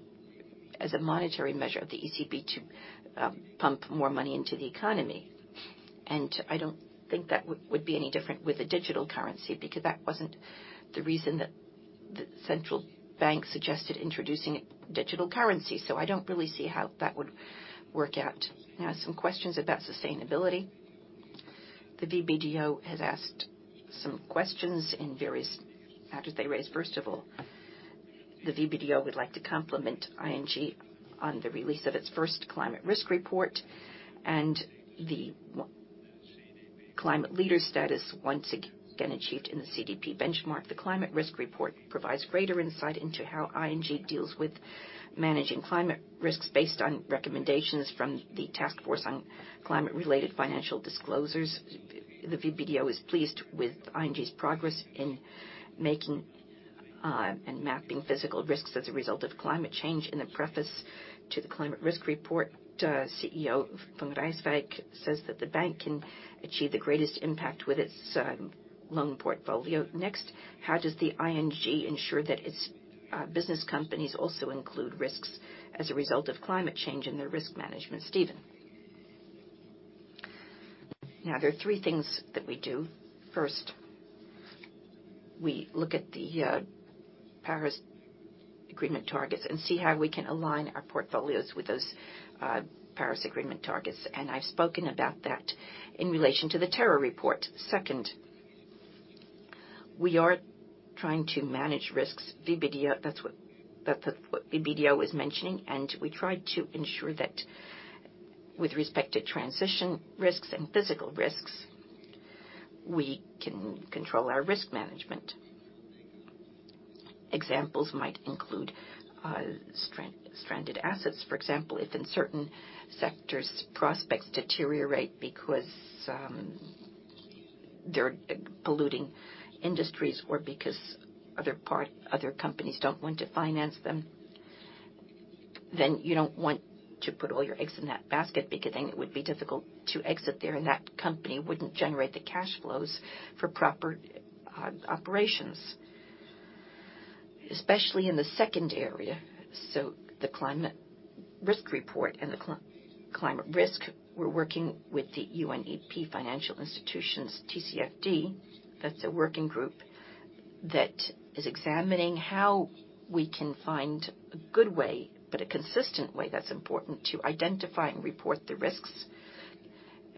as a monetary measure of the ECB to pump more money into the economy. I don't think that would be any different with a digital currency because that wasn't the reason that the central bank suggested introducing a digital currency. I don't really see how that would work out. Some questions about sustainability. The VBDO has asked some questions in various matters they raised. First of all, the VBDO would like to compliment ING on the release of its first climate risk report and the climate leader status once again achieved in the CDP benchmark. The climate risk report provides greater insight into how ING deals with managing climate risks based on recommendations from the Task Force on Climate-related Financial Disclosures. The VBDO is pleased with ING's progress in making and mapping physical risks as a result of climate change. In the preface to the climate risk report, CEO Van Rijswijk says that the bank can achieve the greatest impact with its loan portfolio. How does the ING ensure that its business companies also include risks as a result of climate change in their risk management? Steven. There are three things that we do. First, we look at the Paris Agreement targets and see how we can align our portfolios with those Paris Agreement targets. I've spoken about that in relation to the Terra report. Second, we are trying to manage risks. That's what the VBDO is mentioning, and we try to ensure that with respect to transition risks and physical risks, we can control our risk management. Examples might include stranded assets. For example, if in certain sectors prospects deteriorate because they're polluting industries or because other companies don't want to finance them, then you don't want to put all your eggs in that basket, because then it would be difficult to exit there, and that company wouldn't generate the cash flows for proper operations. Especially in the second area, so the climate risk report and the climate risk, we're working with the UNEP Financial Institutions TCFD. That's a working group that is examining how we can find a good way but a consistent way, that's important, to identify and report the risks.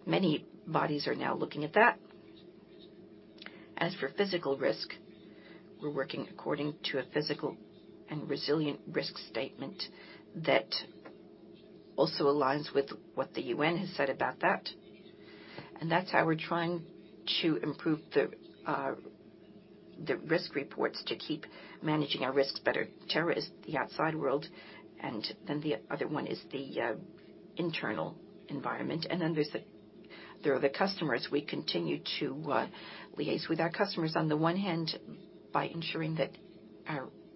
Many bodies are now looking at that. As for physical risk, we're working according to a physical and resilient risk statement that also aligns with what the UN has said about that. That's how we're trying to improve the risk reports to keep managing our risks better. Terra is the outside world, and then the other one is the internal environment, and then there are the customers. We continue to liaise with our customers, on the one hand by ensuring that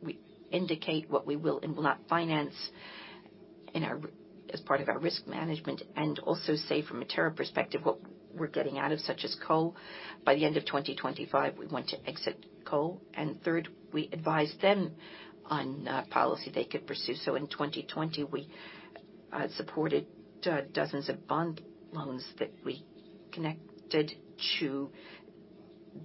we indicate what we will and will not finance as part of our risk management, and also say from a Terra perspective what we're getting out of, such as coal. By the end of 2025, we want to exit coal. Third, we advise them on policy they could pursue. In 2020, we supported dozens of bond loans that we connected to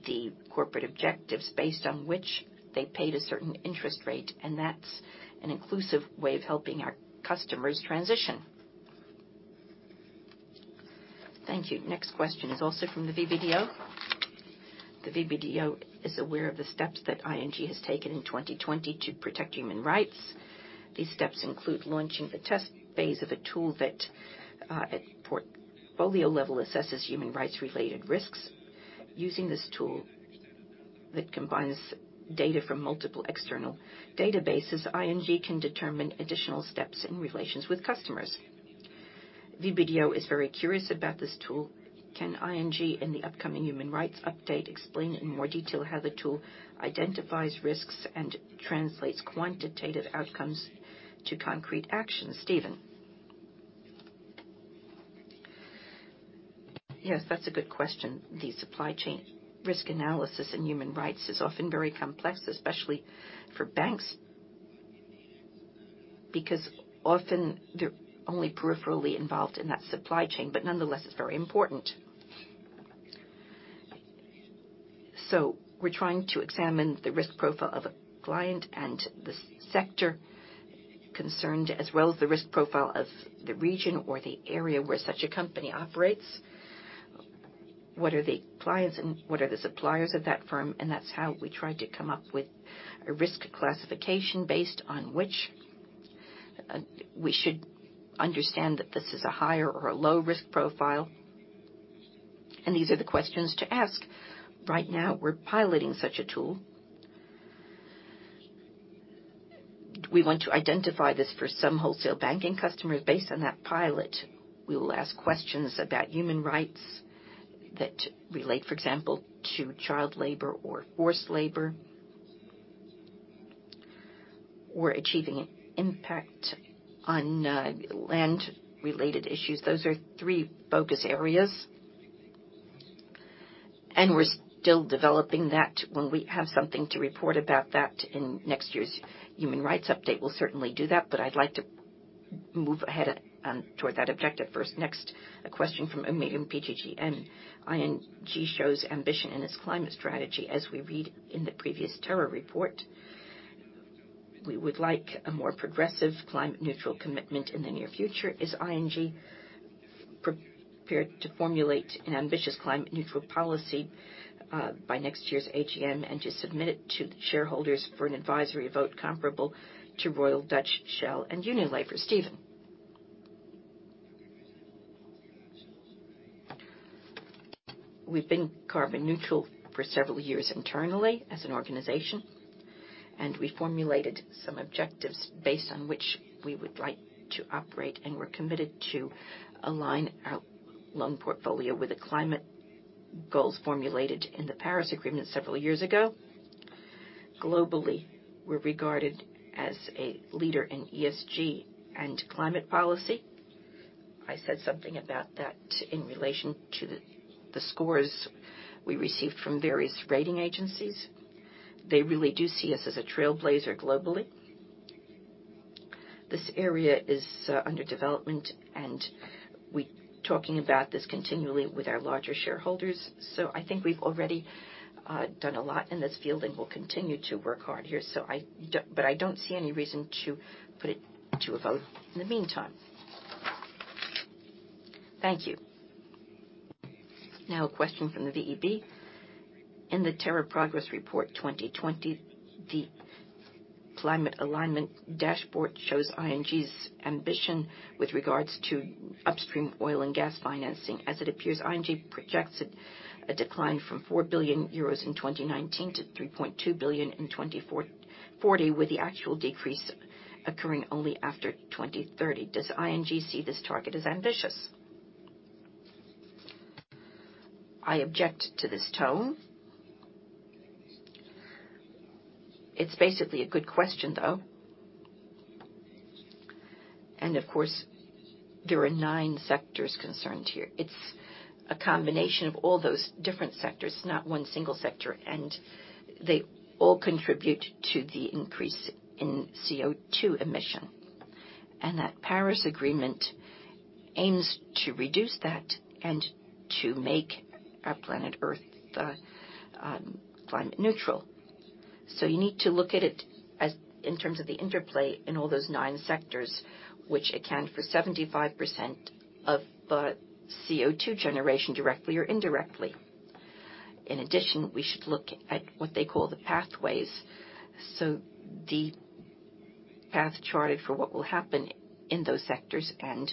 the corporate objectives based on which they paid a certain interest rate, and that's an inclusive way of helping our customers transition. Thank you. Next question is also from the VBDO. The VBDO is aware of the steps that ING has taken in 2020 to protect human rights. These steps include launching the test phase of a tool that at portfolio level assesses human rights-related risks. Using this tool that combines data from multiple external databases, ING can determine additional steps in relations with customers. VBDO is very curious about this tool. Can ING in the upcoming human rights update explain in more detail how the tool identifies risks and translates quantitative outcomes to concrete actions? Steven. Yes, that's a good question. The supply chain risk analysis in human rights is often very complex, especially for banks, because often they're only peripherally involved in that supply chain. Nonetheless, it's very important. We're trying to examine the risk profile of a client and the sector concerned, as well as the risk profile of the region or the area where such a company operates. What are the clients and what are the suppliers of that firm, and that's how we try to come up with a risk classification based on which we should understand that this is a higher or a low-risk profile. These are the questions to ask. Right now, we're piloting such a tool. We want to identify this for some Wholesale Banking customers based on that pilot. We will ask questions about human rights that relate, for example, to child labor or forced labor or achieving impact on land-related issues. Those are three focus areas. We're still developing that. When we have something to report about that in next year's human rights update, we'll certainly do that, but I'd like to move ahead toward that objective first. Next, a question from Eumedion PGGM. "ING shows ambition in its climate strategy as we read in the previous Terra report. We would like a more progressive climate neutral commitment in the near future. Is ING prepared to formulate an ambitious climate neutral policy by next year's AGM and to submit it to the shareholders for an advisory vote comparable to Royal Dutch Shell and Unilever?" Steven. We've been carbon neutral for several years internally as an organization, and we formulated some objectives based on which we would like to operate, and we're committed to align our loan portfolio with the climate goals formulated in the Paris Agreement several years ago. Globally, we're regarded as a leader in ESG and climate policy. I said something about that in relation to the scores we received from various rating agencies. They really do see us as a trailblazer globally. This area is under development, and we're talking about this continually with our larger shareholders. I think we've already done a lot in this field and will continue to work hard here. I don't see any reason to put it to a vote in the meantime. Thank you. Now a question from the VEB. In the Terra Progress Report 2020, the Climate alignment dashboard shows ING's ambition with regards to upstream oil and gas financing. As it appears, ING projects a decline from 4 billion euros in 2019 to 3.2 billion in 2040, with the actual decrease occurring only after 2030. Does ING see this target as ambitious? I object to this tone. It's basically a good question though. Of course, there are nine sectors concerned here. It's a combination of all those different sectors, not one single sector, and they all contribute to the increase in CO2 emission. That Paris Agreement aims to reduce that and to make our planet Earth climate neutral. You need to look at it in terms of the interplay in all those nine sectors, which account for 75% of the CO2 generation, directly or indirectly. In addition, we should look at what they call the pathways. The path charted for what will happen in those sectors and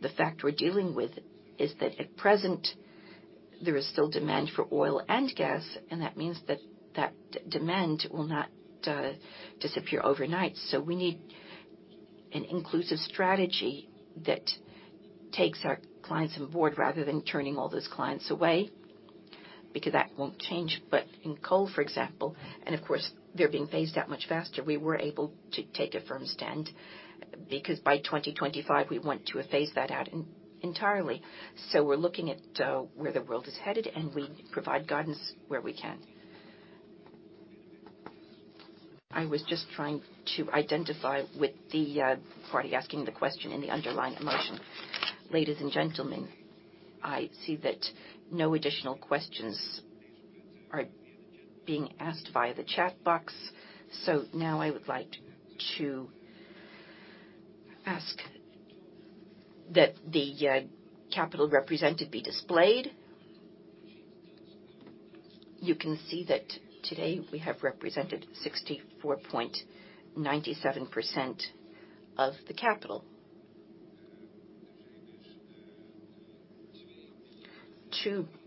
the fact we're dealing with is that at present, there is still demand for oil and gas, and that means that demand will not disappear overnight. We need an inclusive strategy that takes our clients on board rather than turning all those clients away, because that won't change. In coal, for example, and of course, they're being phased out much faster, we were able to take a firm stand, because by 2025, we want to have phased that out entirely. We're looking at where the world is headed, and we provide guidance where we can. I was just trying to identify with the party asking the question and the underlying emotion. Ladies and gentlemen, I see that no additional questions are being asked via the chat box. Now I would like to ask that the capital represented be displayed. You can see that today we have represented 64.97% of the capital.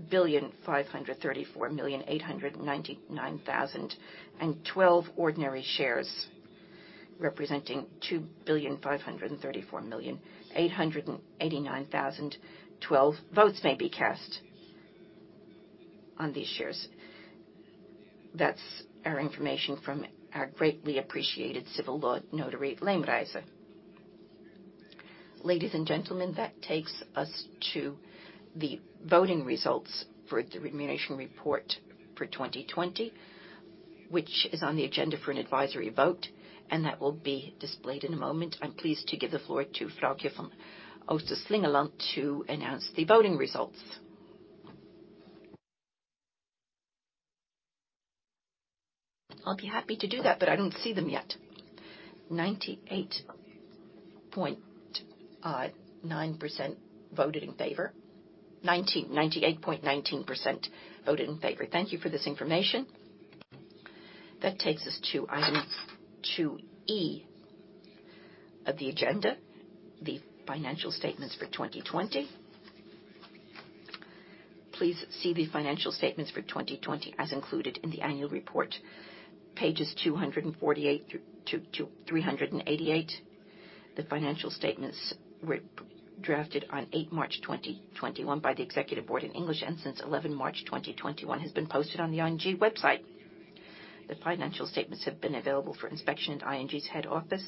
2,534,899,012 ordinary shares representing 2,534,889,012 votes may be cast on these shares. That's our information from our greatly appreciated civil law notary, Joyce Leemrijse. Ladies and gentlemen, that takes us to the voting results for the remuneration report for 2020, which is on the agenda for an advisory vote, and that will be displayed in a moment. I'm pleased to give the floor to Vroukje van Oosten Slingeland to announce the voting results. I'll be happy to do that, but I don't see them yet. 98.19% voted in favor. Thank you for this information. That takes us to item 2E of the agenda, the financial statements for 2020. Please see the financial statements for 2020 as included in the annual report, pages 248 to 388. The financial statements were drafted on eighth March 2021 by the executive board in English and since 11 March 2021 has been posted on the ING website. The financial statements have been available for inspection at ING's head office,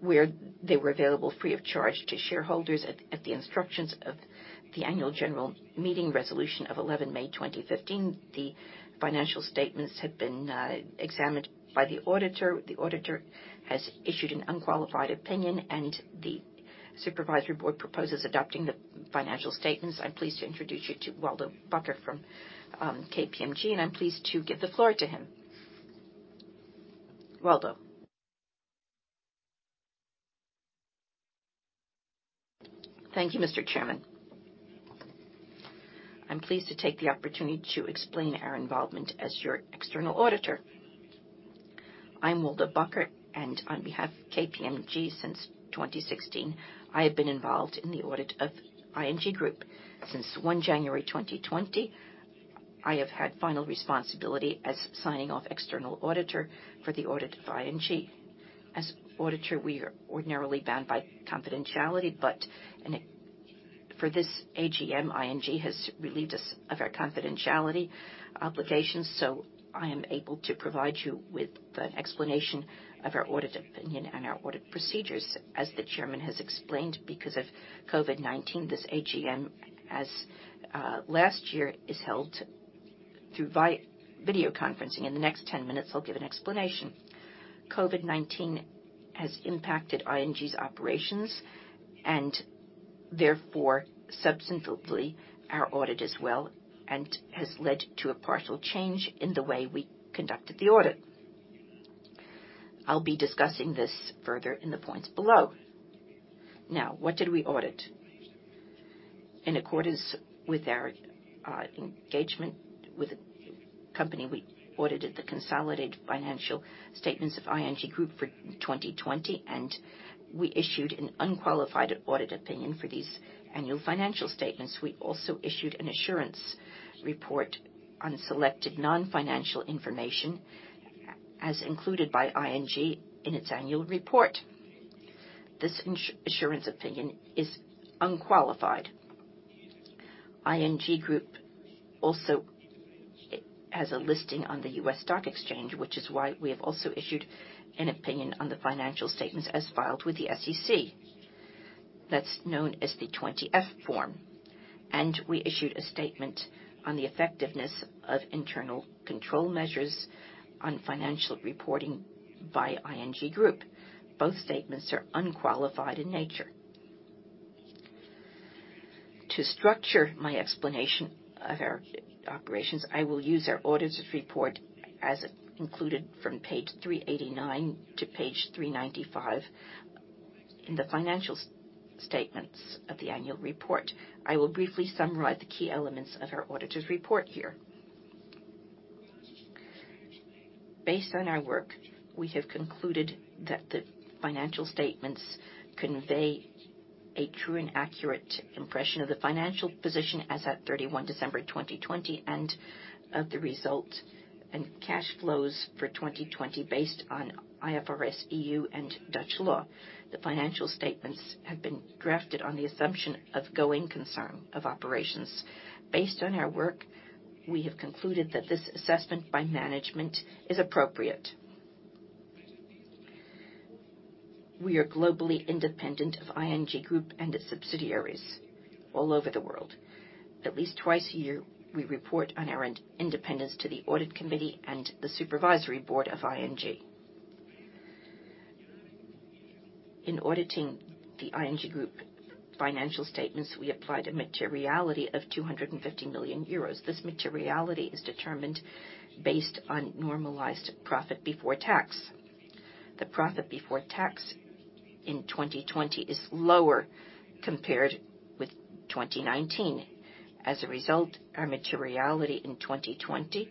where they were available free of charge to shareholders at the instructions of the annual general meeting resolution of 11 May 2015. The financial statements have been examined by the auditor. The auditor has issued an unqualified opinion, and the supervisory board proposes adopting the financial statements. I'm pleased to introduce you to Waldo Bakker from KPMG, and I'm pleased to give the floor to him. Waldo. Thank you, Mr. Chairman. I'm pleased to take the opportunity to explain our involvement as your external auditor. I'm Waldo Bakker, and on behalf of KPMG, since 2016, I have been involved in the audit of ING Groep. Since one January 2020, I have had final responsibility as signing off external auditor for the audit of ING. For this AGM, ING has relieved us of our confidentiality obligations, so I am able to provide you with an explanation of our audit opinion and our audit procedures. As the chairman has explained, because of COVID-19, this AGM, as last year, is held through video conferencing. In the next 10 minutes, I'll give an explanation. COVID-19 has impacted ING's operations, and therefore, substantively, our audit as well and has led to a partial change in the way we conducted the audit. I'll be discussing this further in the points below. Now, what did we audit? In accordance with our engagement with the company, we audited the consolidated financial statements of ING Groep for 2020. We issued an unqualified audit opinion for these annual financial statements. We also issued an assurance report on selected non-financial information as included by ING in its annual report. This assurance opinion is unqualified. ING Groep also has a listing on the New York Stock Exchange, which is why we have also issued an opinion on the financial statements as filed with the SEC. That's known as the 20-F form. We issued a statement on the effectiveness of internal control measures on financial reporting by ING Groep. Both statements are unqualified in nature. To structure my explanation of our operations, I will use our auditor's report as included from page 389 to page 395 in the financial statements of the annual report. I will briefly summarize the key elements of our auditor's report here. Based on our work, we have concluded that the financial statements convey a true and accurate impression of the financial position as at 31 December 2020 and of the result and cash flows for 2020 based on IFRS EU and Dutch law. The financial statements have been drafted on the assumption of going concern of operations. Based on our work, we have concluded that this assessment by management is appropriate. We are globally independent of ING Groep and its subsidiaries all over the world. At least twice a year, we report on our independence to the audit committee and the supervisory board of ING. In auditing the ING Groep financial statements, we applied a materiality of 250 million euros. This materiality is determined based on normalized profit before tax. The profit before tax in 2020 is lower compared with 2019. As a result, our materiality in 2020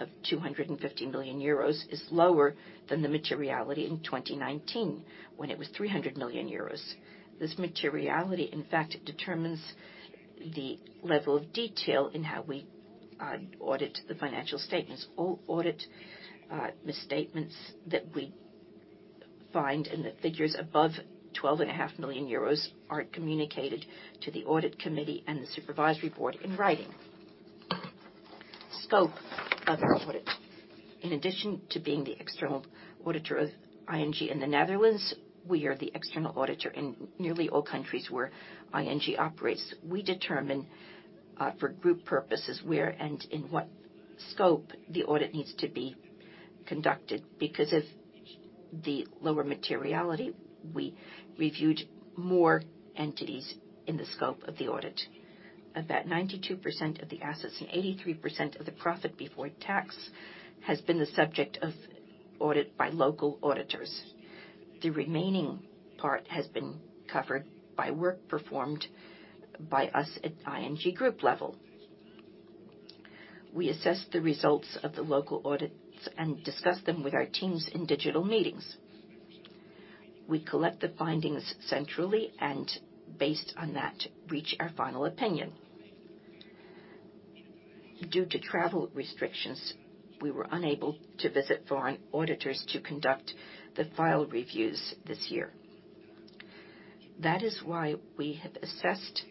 of 250 million euros is lower than the materiality in 2019, when it was 300 million euros. This materiality, in fact, determines the level of detail in how we audit the financial statements. All audit misstatements that we find in the figures above 12.5 million euros are communicated to the audit committee and the supervisory board in writing. Scope of our audit. In addition to being the external auditor of ING in the Netherlands, we are the external auditor in nearly all countries where ING operates. We determine for group purposes where and in what scope the audit needs to be conducted. Because of the lower materiality, we reviewed more entities in the scope of the audit. About 92% of the assets and 83% of the profit before tax has been the subject of audit by local auditors. The remaining part has been covered by work performed by us at ING Groep level. We assess the results of the local audits and discuss them with our teams in digital meetings. We collect the findings centrally and based on that, reach our final opinion. Due to travel restrictions, we were unable to visit foreign auditors to conduct the file reviews this year. That is why we have assessed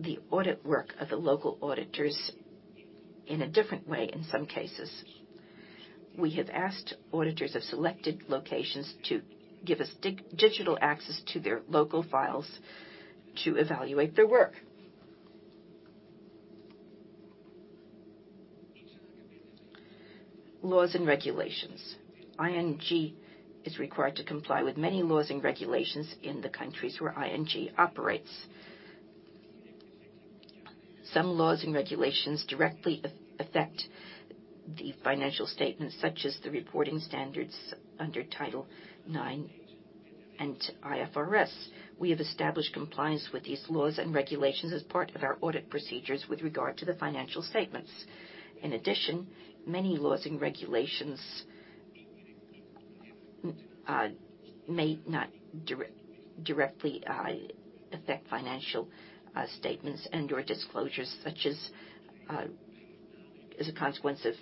the audit work of the local auditors in a different way in some cases. We have asked auditors of selected locations to give us digital access to their local files to evaluate their work. Laws and regulations. ING is required to comply with many laws and regulations in the countries where ING operates. Some laws and regulations directly affect the financial statements, such as the reporting standards under Title IX and IFRS. We have established compliance with these laws and regulations as part of our audit procedures with regard to the financial statements. Many laws and regulations may not directly affect financial statements and/or disclosures, such as a consequence of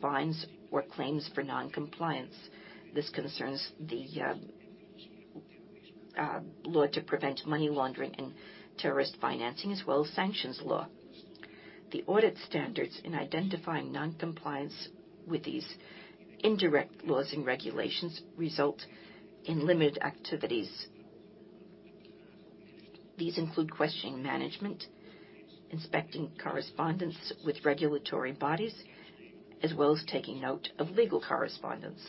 fines or claims for non-compliance. This concerns the law to prevent money laundering and terrorist financing, as well as sanctions law. The audit standards in identifying non-compliance with these indirect laws and regulations result in limited activities. These include questioning management, inspecting correspondence with regulatory bodies, as well as taking note of legal correspondence.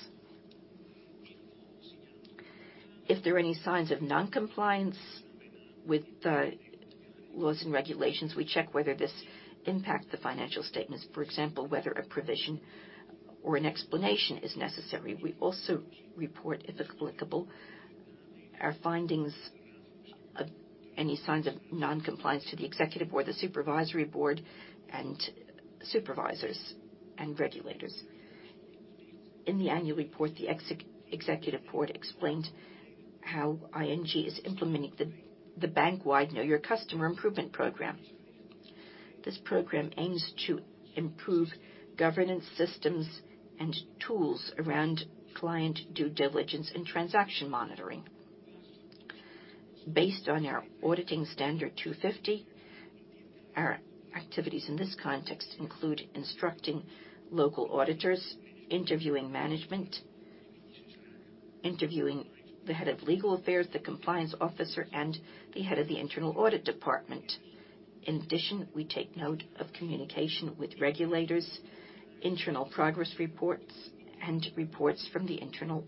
If there are any signs of non-compliance with the laws and regulations, we check whether this impacts the financial statements. For example, whether a provision or an explanation is necessary. We also report, if applicable, our findings of any signs of non-compliance to the Executive Board, the Supervisory Board, and supervisors and regulators. In the annual report, the Executive Board explained how ING is implementing the bank-wide Know Your Customer Improvement Program. This program aims to improve governance systems and tools around client due diligence and transaction monitoring. Based on our auditing standard 250, our activities in this context include instructing local auditors, interviewing management, interviewing the head of legal affairs, the compliance officer, and the head of the internal audit department. In addition, we take note of communication with regulators, internal progress reports, and reports from the internal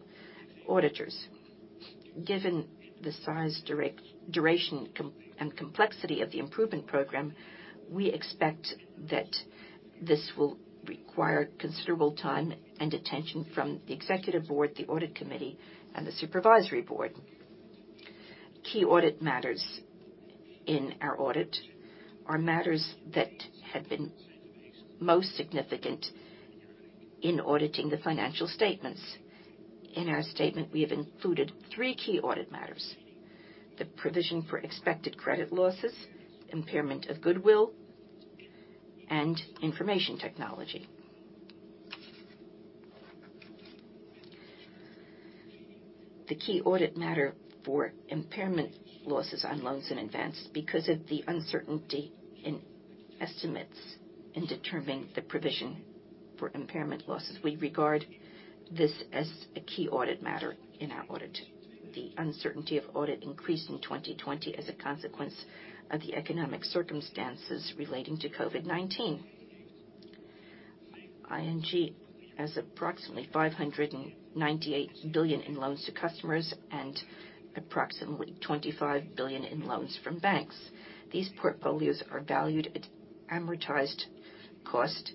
auditors. Given the size, duration, and complexity of the improvement program, we expect that this will require considerable time and attention from the Executive Board, the Audit Committee, and the Supervisory Board. Key audit matters in our audit are matters that have been most significant in auditing the financial statements. In our statement, we have included three key audit matters: the provision for expected credit losses, impairment of goodwill, and information technology. The key audit matter for impairment losses on loans and advances because of the uncertainty in estimates in determining the provision for impairment losses. We regard this as a key audit matter in our audit. The uncertainty of audit increased in 2020 as a consequence of the economic circumstances relating to COVID-19. ING has approximately 598 billion in loans to customers and approximately 25 billion in loans from banks. These portfolios are valued at amortized cost,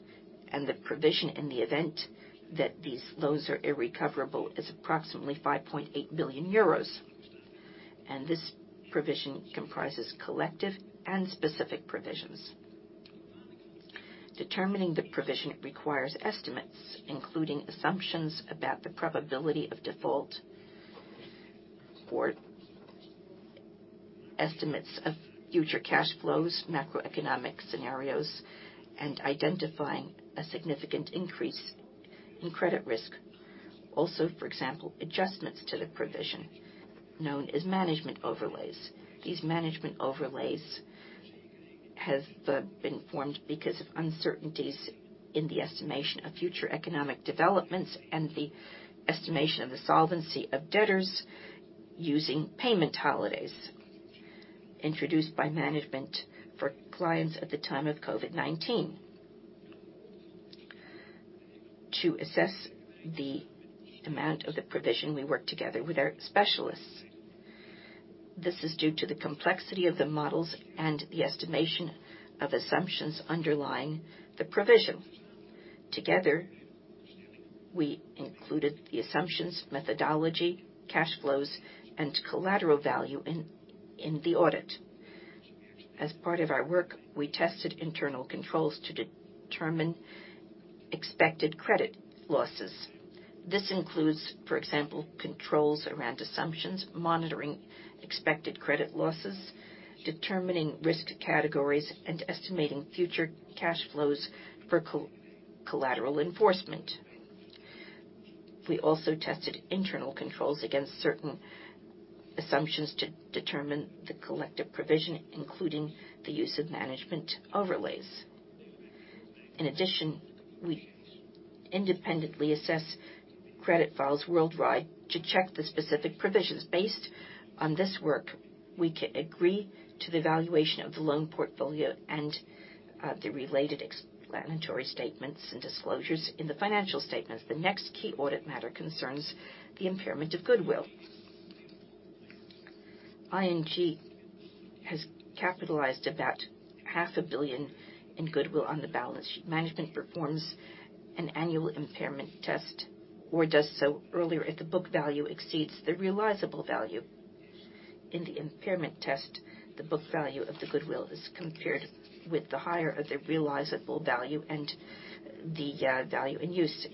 the provision in the event that these loans are irrecoverable is approximately €5.8 billion. This provision comprises collective and specific provisions. Determining the provision requires estimates, including assumptions about the probability of default for estimates of future cash flows, macroeconomic scenarios, and identifying a significant increase in credit risk. Also, for example, adjustments to the provision known as management overlays. These management overlays have been formed because of uncertainties in the estimation of future economic developments and the estimation of the solvency of debtors using payment holidays introduced by management for clients at the time of COVID-19. To assess the amount of the provision, we work together with our specialists. This is due to the complexity of the models and the estimation of assumptions underlying the provision. Together, we included the assumptions, methodology, cash flows, and collateral value in the audit. As part of our work, we tested internal controls to determine expected credit losses. This includes, for example, controls around assumptions, monitoring expected credit losses, determining risk categories, and estimating future cash flows for collateral enforcement. We also tested internal controls against certain assumptions to determine the collective provision, including the use of management overlays. We independently assess credit files worldwide to check the specific provisions. Based on this work, we can agree to the valuation of the loan portfolio and the related explanatory statements and disclosures in the financial statements. The next key audit matter concerns the impairment of goodwill. ING has capitalized about EUR half a billion in goodwill on the balance sheet. Management performs an annual impairment test or does so earlier if the book value exceeds the realizable value. In the impairment test, the book value of the goodwill is compared with the higher of the realizable value and the value in use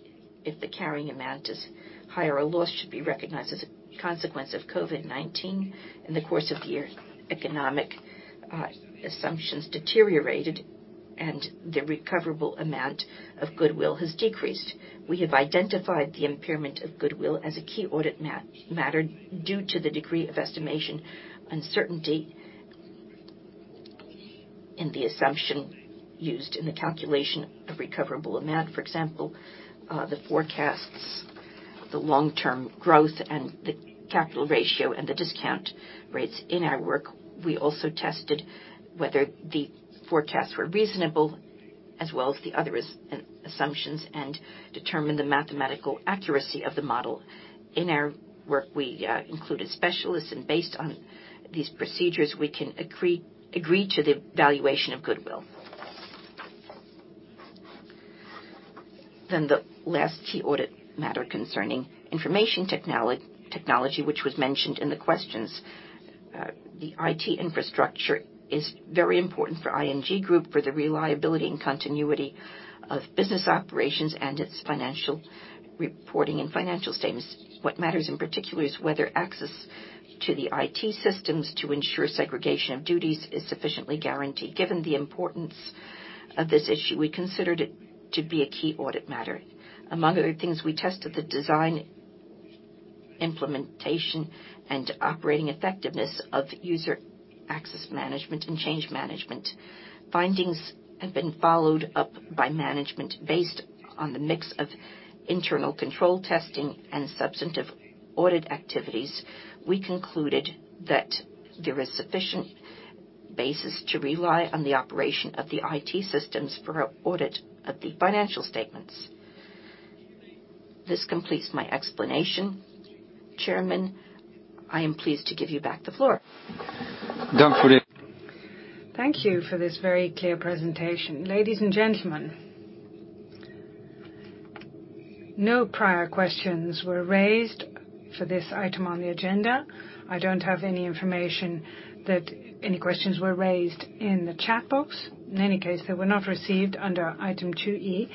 if the carrying amount is higher or loss should be recognized as a consequence of COVID-19. In the course of the year, economic assumptions deteriorated, and the recoverable amount of goodwill has decreased. We have identified the impairment of goodwill as a key audit matter due to the degree of estimation uncertainty in the assumption used in the calculation of recoverable amount, for example, the forecasts, the long-term growth and the capital ratio, and the discount rates. In our work, we also tested whether the forecasts were reasonable as well as the other assumptions and determined the mathematical accuracy of the model. In our work, we included specialists, and based on these procedures, we can agree to the valuation of goodwill. The last key audit matter concerning information technology, which was mentioned in the questions. The IT infrastructure is very important for ING Groep for the reliability and continuity of business operations and its financial reporting and financial statements. What matters in particular is whether access to the IT systems to ensure segregation of duties is sufficiently guaranteed. Given the importance of this issue, we considered it to be a key audit matter. Among other things, we tested the design, implementation, and operating effectiveness of user access management and change management. Findings have been followed up by management based on the mix of internal control testing and substantive audit activities. We concluded that there is sufficient basis to rely on the operation of the IT systems for our audit of the financial statements. This completes my explanation. Chairman, I am pleased to give you back the floor. Thank you for this very clear presentation. Ladies and gentlemen, no prior questions were raised for this item on the agenda. I don't have any information that any questions were raised in the chat box. In any case, they were not received under item 2E.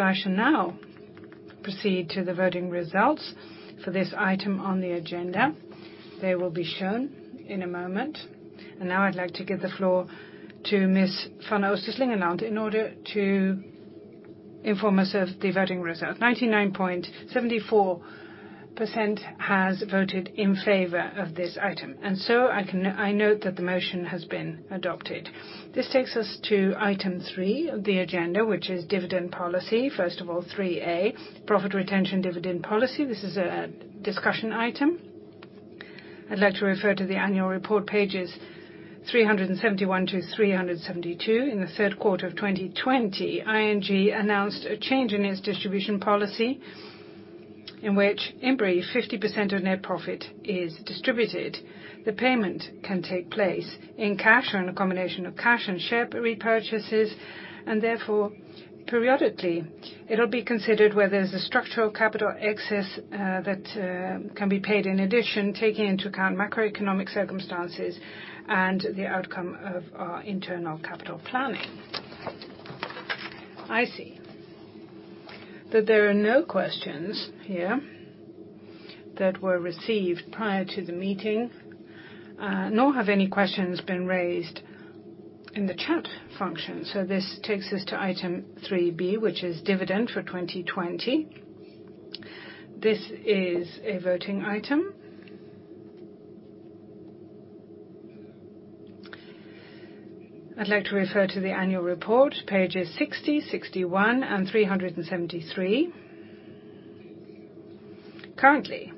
I shall now proceed to the voting results for this item on the agenda. They will be shown in a moment. Now I'd like to give the floor to Vroukje van Oosten Slingeland in order to inform us of the voting results. 99.74% has voted in favor of this item, and so I note that the motion has been adopted. This takes us to item three of the agenda, which is dividend policy. First of all, 3A, profit retention dividend policy. This is a discussion item. I'd like to refer to the annual report, pages 371 to 372. In the third quarter of 2020, ING announced a change in its distribution policy, in which, in brief, 50% of net profit is distributed. The payment can take place in cash or in a combination of cash and share repurchases, and therefore periodically it'll be considered whether there's a structural capital excess that can be paid in addition, taking into account macroeconomic circumstances and the outcome of our internal capital planning. I see that there are no questions here that were received prior to the meeting. Nor have any questions been raised in the chat function. This takes us to item 3B, which is dividend for 2020. This is a voting item. I'd like to refer to the annual report, pages 60, 61 and 373. Currently,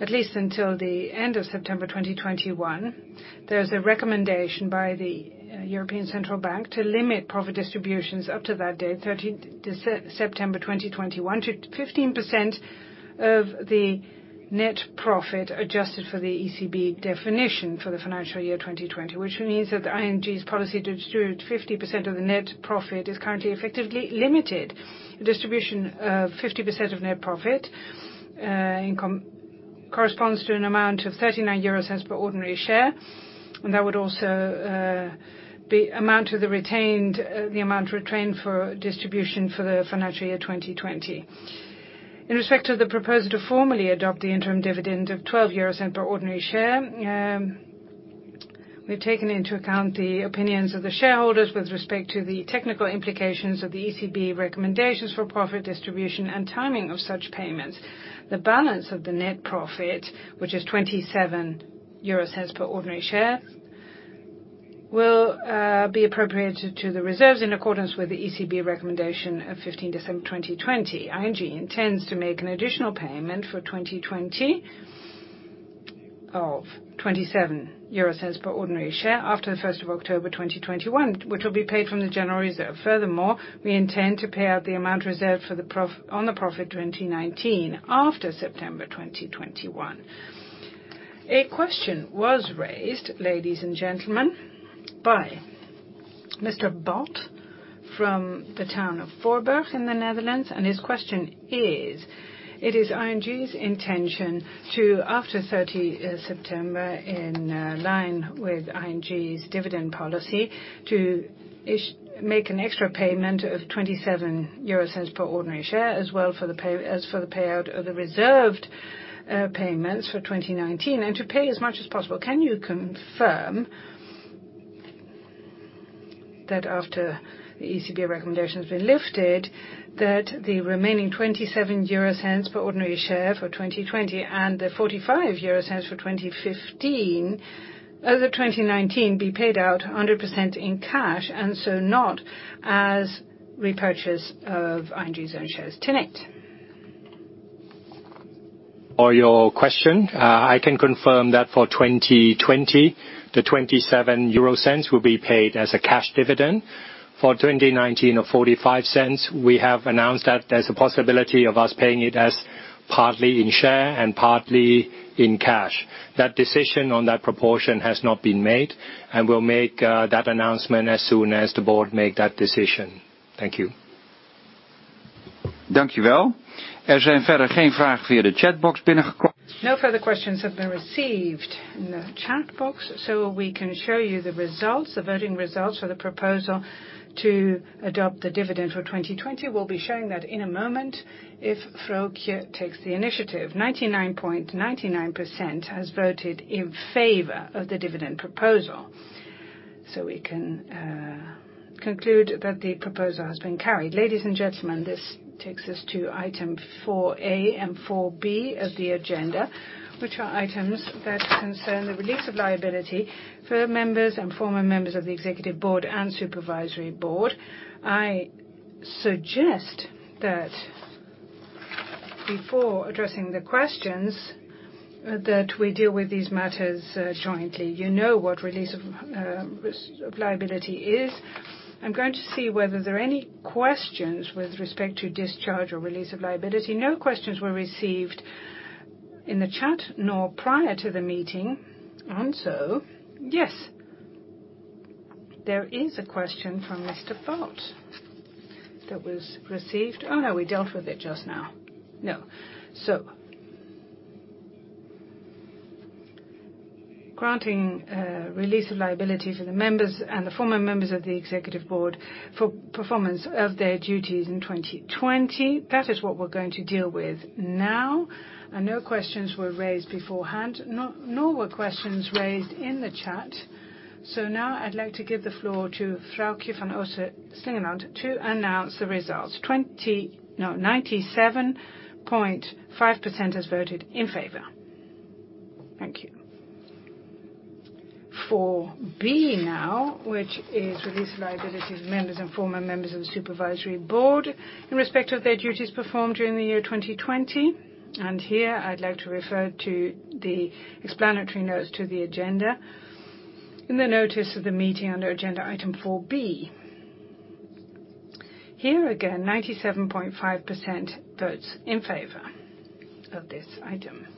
at least until the end of September 2021, there's a recommendation by the European Central Bank to limit profit distributions up to that date, 30 September 2021, to 15% of the net profit adjusted for the ECB definition for the financial year 2020, which means that ING's policy to distribute 50% of the net profit is currently effectively limited. Distribution of 50% of net profit income corresponds to an amount of 0.39 per ordinary share. That would also be the amount retained for distribution for the financial year 2020. In respect of the proposal to formally adopt the interim dividend of 0.12 per ordinary share, we've taken into account the opinions of the shareholders with respect to the technical implications of the ECB recommendations for profit distribution and timing of such payments. The balance of the net profit, which is 0.27 per ordinary share, will be appropriated to the reserves in accordance with the ECB recommendation of 15 December 2020. ING intends to make an additional payment for 2020 of 0.27 per ordinary share after the 1st of October 2021, which will be paid from the general reserve. Furthermore, we intend to pay out the amount reserved on the profit 2019 after September 2021. A question was raised, ladies and gentlemen, by Mr. Bolt from the town of Voorburg in the Netherlands, and his question is, "It is ING's intention to, after 30 September, in line with ING's dividend policy, to make an extra payment of 0.27 per ordinary share, as well as for the payout of the reserved payments for 2019, and to pay as much as possible. Can you confirm that after the ECB recommendation has been lifted, that the remaining 0.27 per ordinary share for 2020 and the 0.45 2015 over 2019 be paid out 100% in cash, and so not as repurchase of ING's own shares? Tanate. For your question, I can confirm that for 2020, the 0.27 will be paid as a cash dividend. For 2019 of 0.45, we have announced that there's a possibility of us paying it as partly in share and partly in cash. That decision on that proportion has not been made. We'll make that announcement as soon as the Board make that decision. Thank you. [inaudible] No further questions have been received in the chat box. We can show you the results, the voting results for the proposal to adopt the dividend for 2020. We'll be showing that in a moment if Vroukje van Oosten Slingeland takes the initiative. 99.99% has voted in favor of the dividend proposal. We can conclude that the proposal has been carried. Ladies and gentlemen, this takes us to item 4A and 4B of the agenda, which are items that concern the release of liability for members and former members of the Executive Board and Supervisory Board. I suggest that before addressing the questions, that we deal with these matters jointly. You know what release of liability is. I'm going to see whether there are any questions with respect to discharge or release of liability. No questions were received in the chat nor prior to the meeting. Yes. There is a question from Mr. Bolt that was received. Oh, no, we dealt with it just now. No. Granting release of liabilities of the members and the former members of the Executive Board for performance of their duties in 2020. That is what we're going to deal with now, and no questions were raised beforehand, nor were questions raised in the chat. Now I'd like to give the floor to Vroukje van Oosten Slingeland to announce the results. 97.5% has voted in favor. Thank you. Four now, which is release of liabilities of members and former members of the Supervisory Board in respect of their duties performed during the year 2020. Here I'd like to refer to the explanatory notes to the agenda in the notice of the meeting under agenda item four. Here again, 97.5% votes in favor of this item.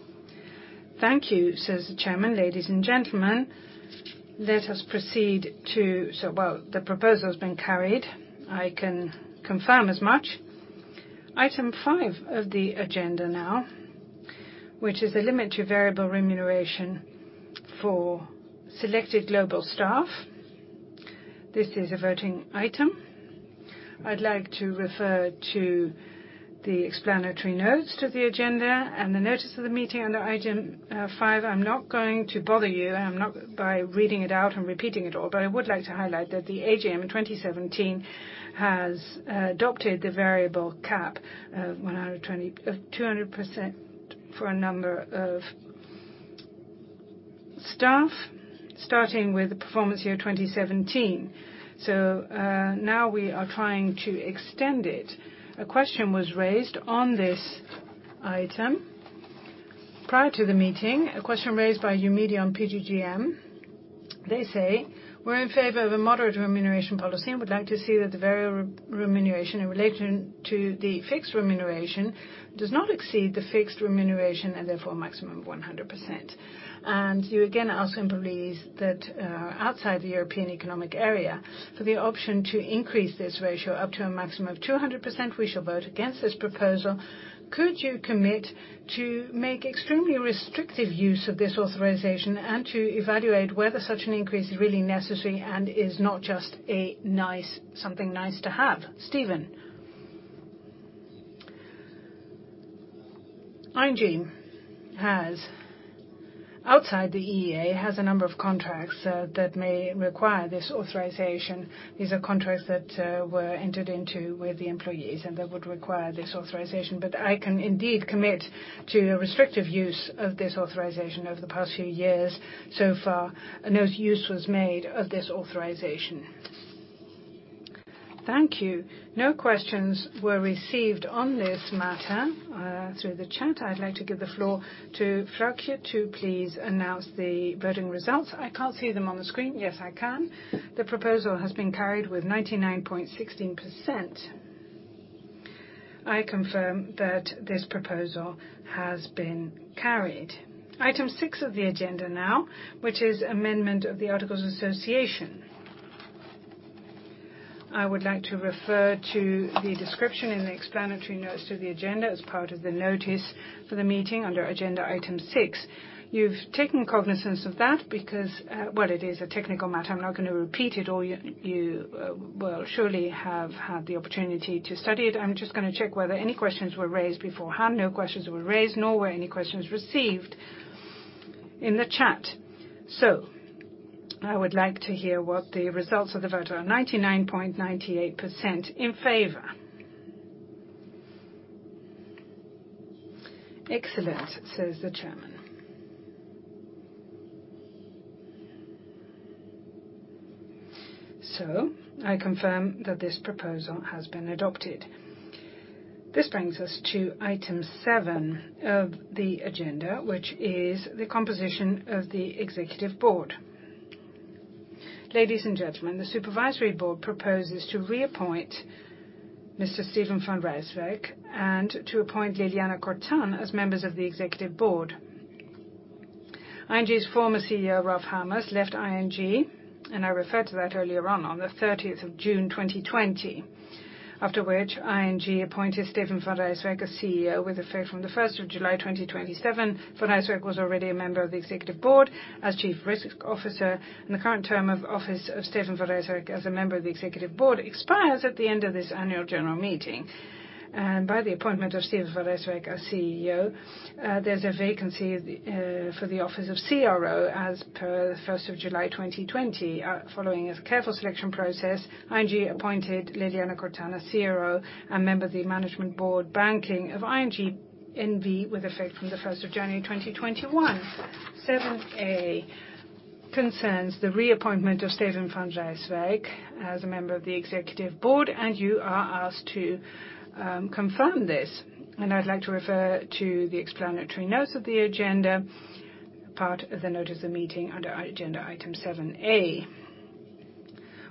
Thank you," says the chairman. Ladies and gentlemen, let us proceed. The proposal has been carried. I can confirm as much. Item five of the agenda now, which is the limit to variable remuneration for selected global staff. This is a voting item. I'd like to refer to the explanatory notes to the agenda and the notice of the meeting under item five. I'm not going to bother you by reading it out and repeating it all, but I would like to highlight that the AGM in 2017 has adopted the variable cap of 200% for a number of staff, starting with the performance year 2017. Now we are trying to extend it. A question was raised on this item prior to the meeting, a question raised by Eumedion PGGM. They say, "We're in favor of a moderate remuneration policy and would like to see that the variable remuneration in relation to the fixed remuneration does not exceed the fixed remuneration and therefore a maximum of 100%. You again are also in [inaudible] that are outside the European Economic Area. For the option to increase this ratio up to a maximum of 200%, we shall vote against this proposal. Could you commit to make extremely restrictive use of this authorization and to evaluate whether such an increase is really necessary and is not just something nice to have?" Steven. ING outside the EEA has a number of contracts that may require this authorization. These are contracts that were entered into with the employees, that would require this authorization. I can indeed commit to restrictive use of this authorization. Over the past few years, so far, no use was made of this authorization. Thank you. No questions were received on this matter through the chat. I'd like to give the floor to Froke to please announce the voting results. I can't see them on the screen. Yes, I can. The proposal has been carried with 99.16%. I confirm that this proposal has been carried. Item six of the agenda now, which is amendment of the articles of association. I would like to refer to the description in the explanatory notes to the agenda as part of the notice for the meeting under agenda item six. You've taken cognizance of that because, well, it is a technical matter. I'm not going to repeat it all. You will surely have had the opportunity to study it. I'm just going to check whether any questions were raised beforehand. No questions were raised, nor were any questions received in the chat. I would like to hear what the results of the vote are. 99.98% in favor. "Excellent," says the chairman. I confirm that this proposal has been adopted. This brings us to item seven of the agenda, which is the composition of the executive board. Ladies and gentlemen, the supervisory board proposes to reappoint Mr. Steven van Rijswijk and to appoint Ljiljana Čortan as members of the executive board. ING's former CEO, Ralph Hamers, left ING, and I referred to that earlier on the 30th of June, 2020. After which, ING appointed Steven van Rijswijk as CEO with effect from the 1st of July, 2020. Steven van Rijswijk was already a member of the executive board as Chief Risk Officer, and the current term of office of Steven van Rijswijk as a member of the executive board expires at the end of this annual general meeting. By the appointment of Steven van Rijswijk as CEO, there is a vacancy for the office of CRO as per the 1st of July, 2020. Following a careful selection process, ING appointed Ljiljana Čortan as CRO, a member of the Management Board Banking of ING N.V. with effect from the 1st of January, 2021. 7A concerns the reappointment of Steven van Rijswijk as a member of the Executive Board, and you are asked to confirm this. I would like to refer to the explanatory notes of the agenda, part of the notice of the meeting under agenda item 7A.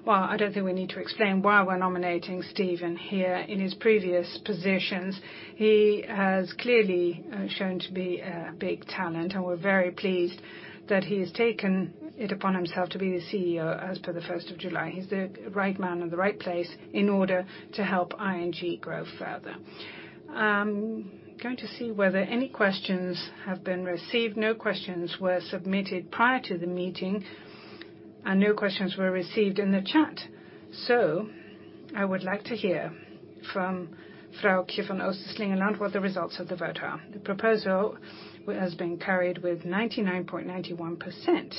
I don't think we need to explain why we are nominating Steven here. In his previous positions, he has clearly shown to be a big talent, and we are very pleased that he has taken it upon himself to be the CEO as per the 1st of July. He's the right man in the right place in order to help ING grow further. I'm going to see whether any questions have been received. No questions were submitted prior to the meeting, and no questions were received in the chat. I would like to hear from Vroukje van Oosten Slingeland what the results of the vote are. The proposal has been carried with 99.91%.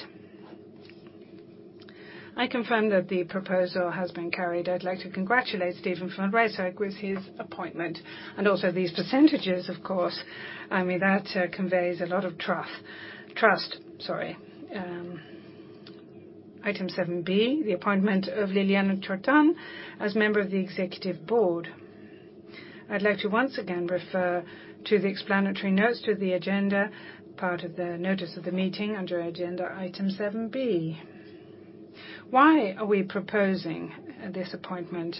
I confirm that the proposal has been carried. I'd like to congratulate Steven van Rijswijk with his appointment and also these percentages, of course, that conveys a lot of trust. Item 7B, the appointment of Ljiljana Čortan as member of the executive board. I'd like to once again refer to the explanatory notes to the agenda, part of the notice of the meeting under agenda item 7B. Why are we proposing this appointment?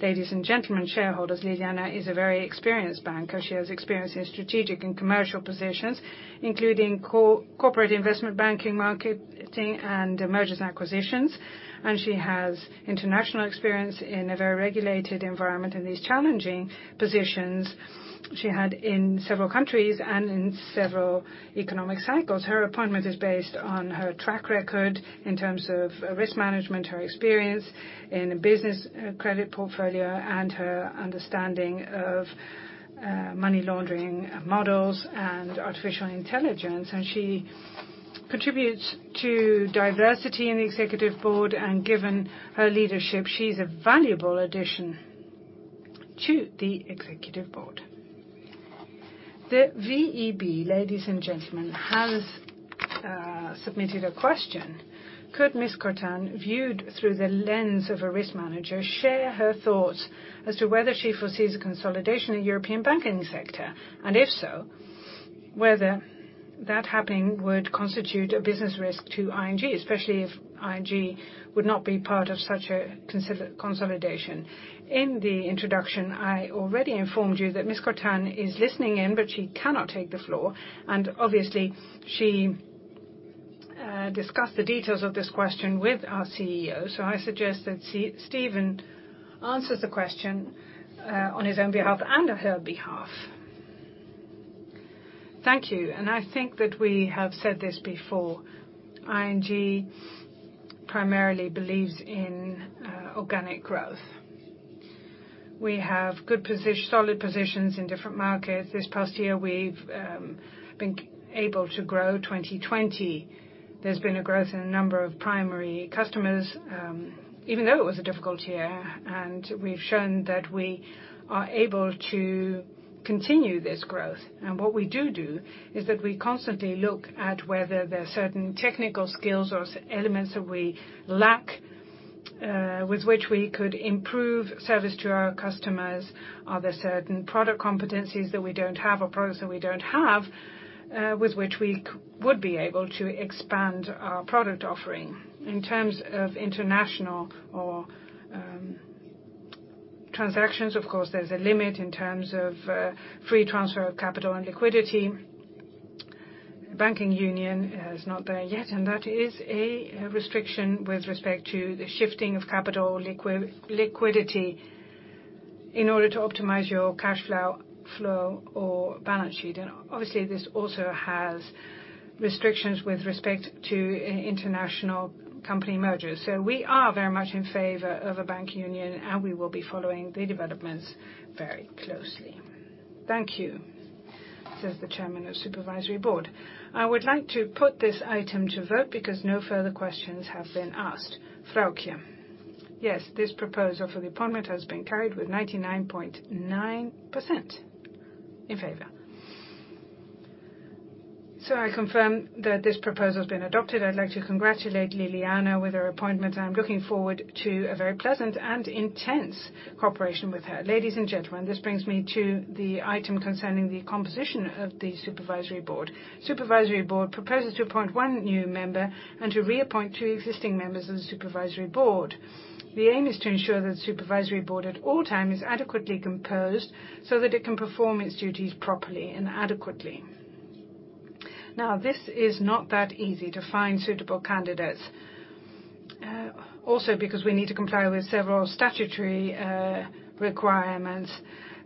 Ladies and gentlemen, shareholders, Ljiljana is a very experienced banker. She has experience in strategic and commercial positions, including corporate investment banking, marketing, and mergers and acquisitions. She has international experience in a very regulated environment in these challenging positions she had in several countries and in several economic cycles. Her appointment is based on her track record in terms of risk management, her experience in business credit portfolio, and her understanding of money laundering models and artificial intelligence. She contributes to diversity in the Executive Board. Given her leadership, she's a valuable addition to the Executive Board. The VEB, ladies and gentlemen, has submitted a question. Could Ms. Čortan, viewed through the lens of a risk manager, share her thoughts as to whether she foresees a consolidation in European banking sector, and if so, whether that happening would constitute a business risk to ING, especially if ING would not be part of such a consolidation. In the introduction, I already informed you that Ms. Čortan is listening in, but she cannot take the floor, and obviously, she discussed the details of this question with our CEO. I suggest that Steven answers the question on his own behalf and on her behalf. Thank you. I think that we have said this before. ING primarily believes in organic growth. We have good, solid positions in different markets. This past year, we've been able to growth 2020. There's been a growth in the number of primary customers, even though it was a difficult year, and we've shown that we are able to continue this growth. What we do is that we constantly look at whether there are certain technical skills or elements that we lack, with which we could improve service to our customers. Are there certain product competencies that we don't have or products that we don't have, with which we would be able to expand our product offering? In terms of international or transactions, of course, there's a limit in terms of free transfer of capital and liquidity. Banking Union is not there yet, and that is a restriction with respect to the shifting of capital liquidity in order to optimize your cash flow or balance sheet. Obviously, this also has restrictions with respect to international company mergers. We are very much in favor of a Banking Union, and we will be following the developments very closely. "Thank you," says the Chairman of the Supervisory Board. I would like to put this item to vote because no further questions have been asked. Vroukje. Yes, this proposal for the appointment has been carried with 99.9% in favor. I confirm that this proposal has been adopted. I'd like to congratulate Ljiljana with her appointment, and I'm looking forward to a very pleasant and intense cooperation with her. Ladies and gentlemen, this brings me to the item concerning the composition of the Supervisory Board. Supervisory Board proposes to appoint one new member and to reappoint two existing members of the Supervisory Board. The aim is to ensure that the Supervisory Board at all times is adequately composed so that it can perform its duties properly and adequately. This is not that easy to find suitable candidates, also because we need to comply with several statutory requirements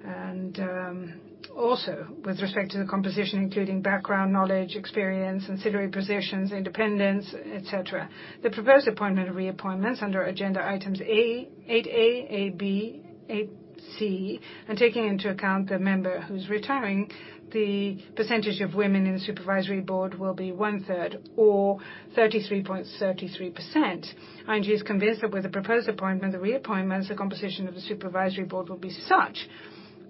and also with respect to the composition, including background knowledge, experience, ancillary positions, independence, et cetera. The proposed appointment reappointments under agenda items 8A, 8B, 8C, and taking into account the member who's retiring, the percentage of women in the Supervisory Board will be one-third or 33.33%. ING is convinced that with the proposed appointment, the reappointments, the composition of the Supervisory Board will be such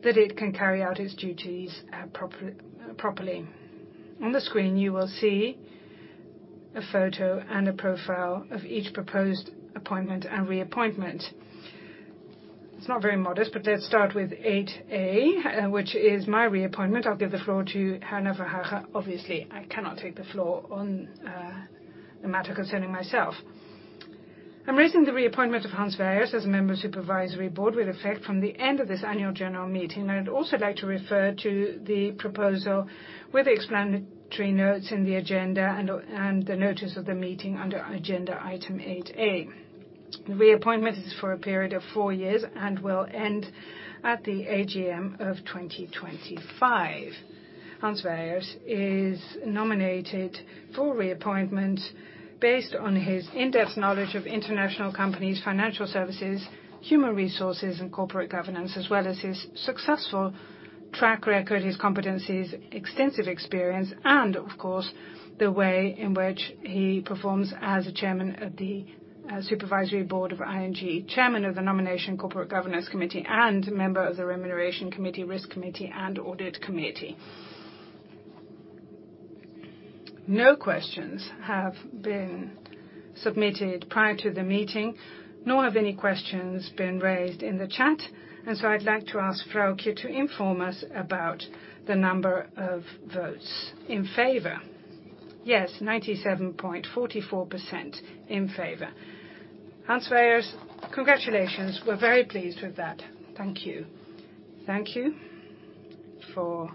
that it can carry out its duties properly. On the screen, you will see a photo and a profile of each proposed appointment and reappointment. It's not very modest, but let's start with 8A, which is my reappointment. I'll give the floor to Herna Verhagen. Obviously, I cannot take the floor on the matter concerning myself. I'm raising the reappointment of Hans Wijers as a member of the Supervisory Board with effect from the end of this annual general meeting. I'd also like to refer to the proposal with the explanatory notes in the agenda and the notice of the meeting under agenda item 8A. Reappointment is for a period of four years and will end at the AGM of 2025. Hans Wijers is nominated for reappointment based on his in-depth knowledge of international companies, financial services, human resources, and corporate governance, as well as his successful track record, his competencies, extensive experience And of course, the way in which he performs as a chairman of the supervisory board of ING, chairman of the nomination corporate governance committee, and member of the remuneration committee, risk committee, and audit committee. No questions have been submitted prior to the meeting, nor have any questions been raised in the chat. I'd like to ask Vroukje to inform us about the number of votes in favor. Yes, 97.44% in favor. Hans Wijers, congratulations. We're very pleased with that. Thank you. Thank you for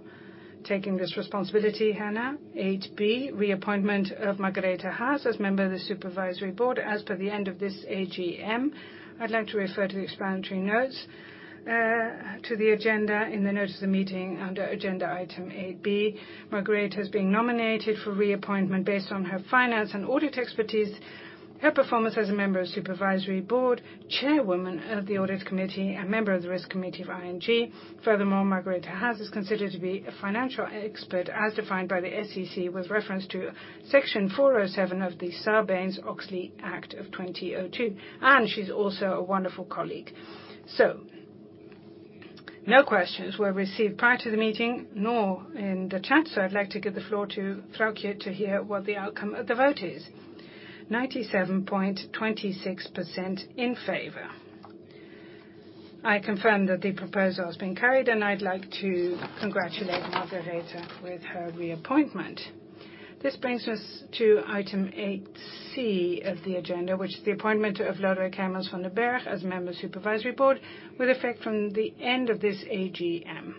taking this responsibility, Herna. 8B, reappointment of Margarete Haase as member of the Supervisory Board as per the end of this AGM. I'd like to refer to the explanatory notes to the agenda in the notice of the meeting under agenda item 8B. Margrethe has been nominated for reappointment based on her finance and audit expertise, her performance as a member of the Supervisory Board, Chairwoman of the Audit Committee, a member of the Risk Committee of ING. Furthermore, Margarete Haase is considered to be a financial expert as defined by the SEC, with reference to section 407 of the Sarbanes-Oxley Act of 2002. She's also a wonderful colleague. No questions were received prior to the meeting nor in the chat, so I'd like to give the floor to Vroukje to hear what the outcome of the vote is. 97.26% in favor. I confirm that the proposal has been carried, and I'd like to congratulate Margarete Haase with her reappointment. This brings us to item 8C of the agenda, which is the appointment of Lodewijk Hijmans van den Bergh as member Supervisory Board with effect from the end of this AGM.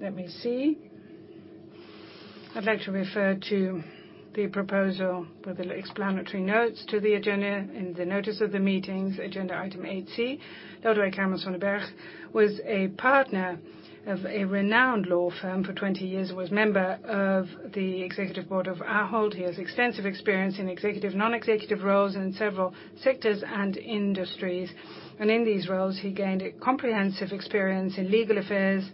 Let me see. I'd like to refer to the proposal with the explanatory notes to the agenda in the notice of the meetings. Agenda item 8C, Lodewijk Hijmans van den Bergh was a partner of a renowned law firm for 20 years, was member of the Executive Board of Ahold. He has extensive experience in executive/non-executive roles in several sectors and industries. In these roles, he gained a comprehensive experience in legal affairs,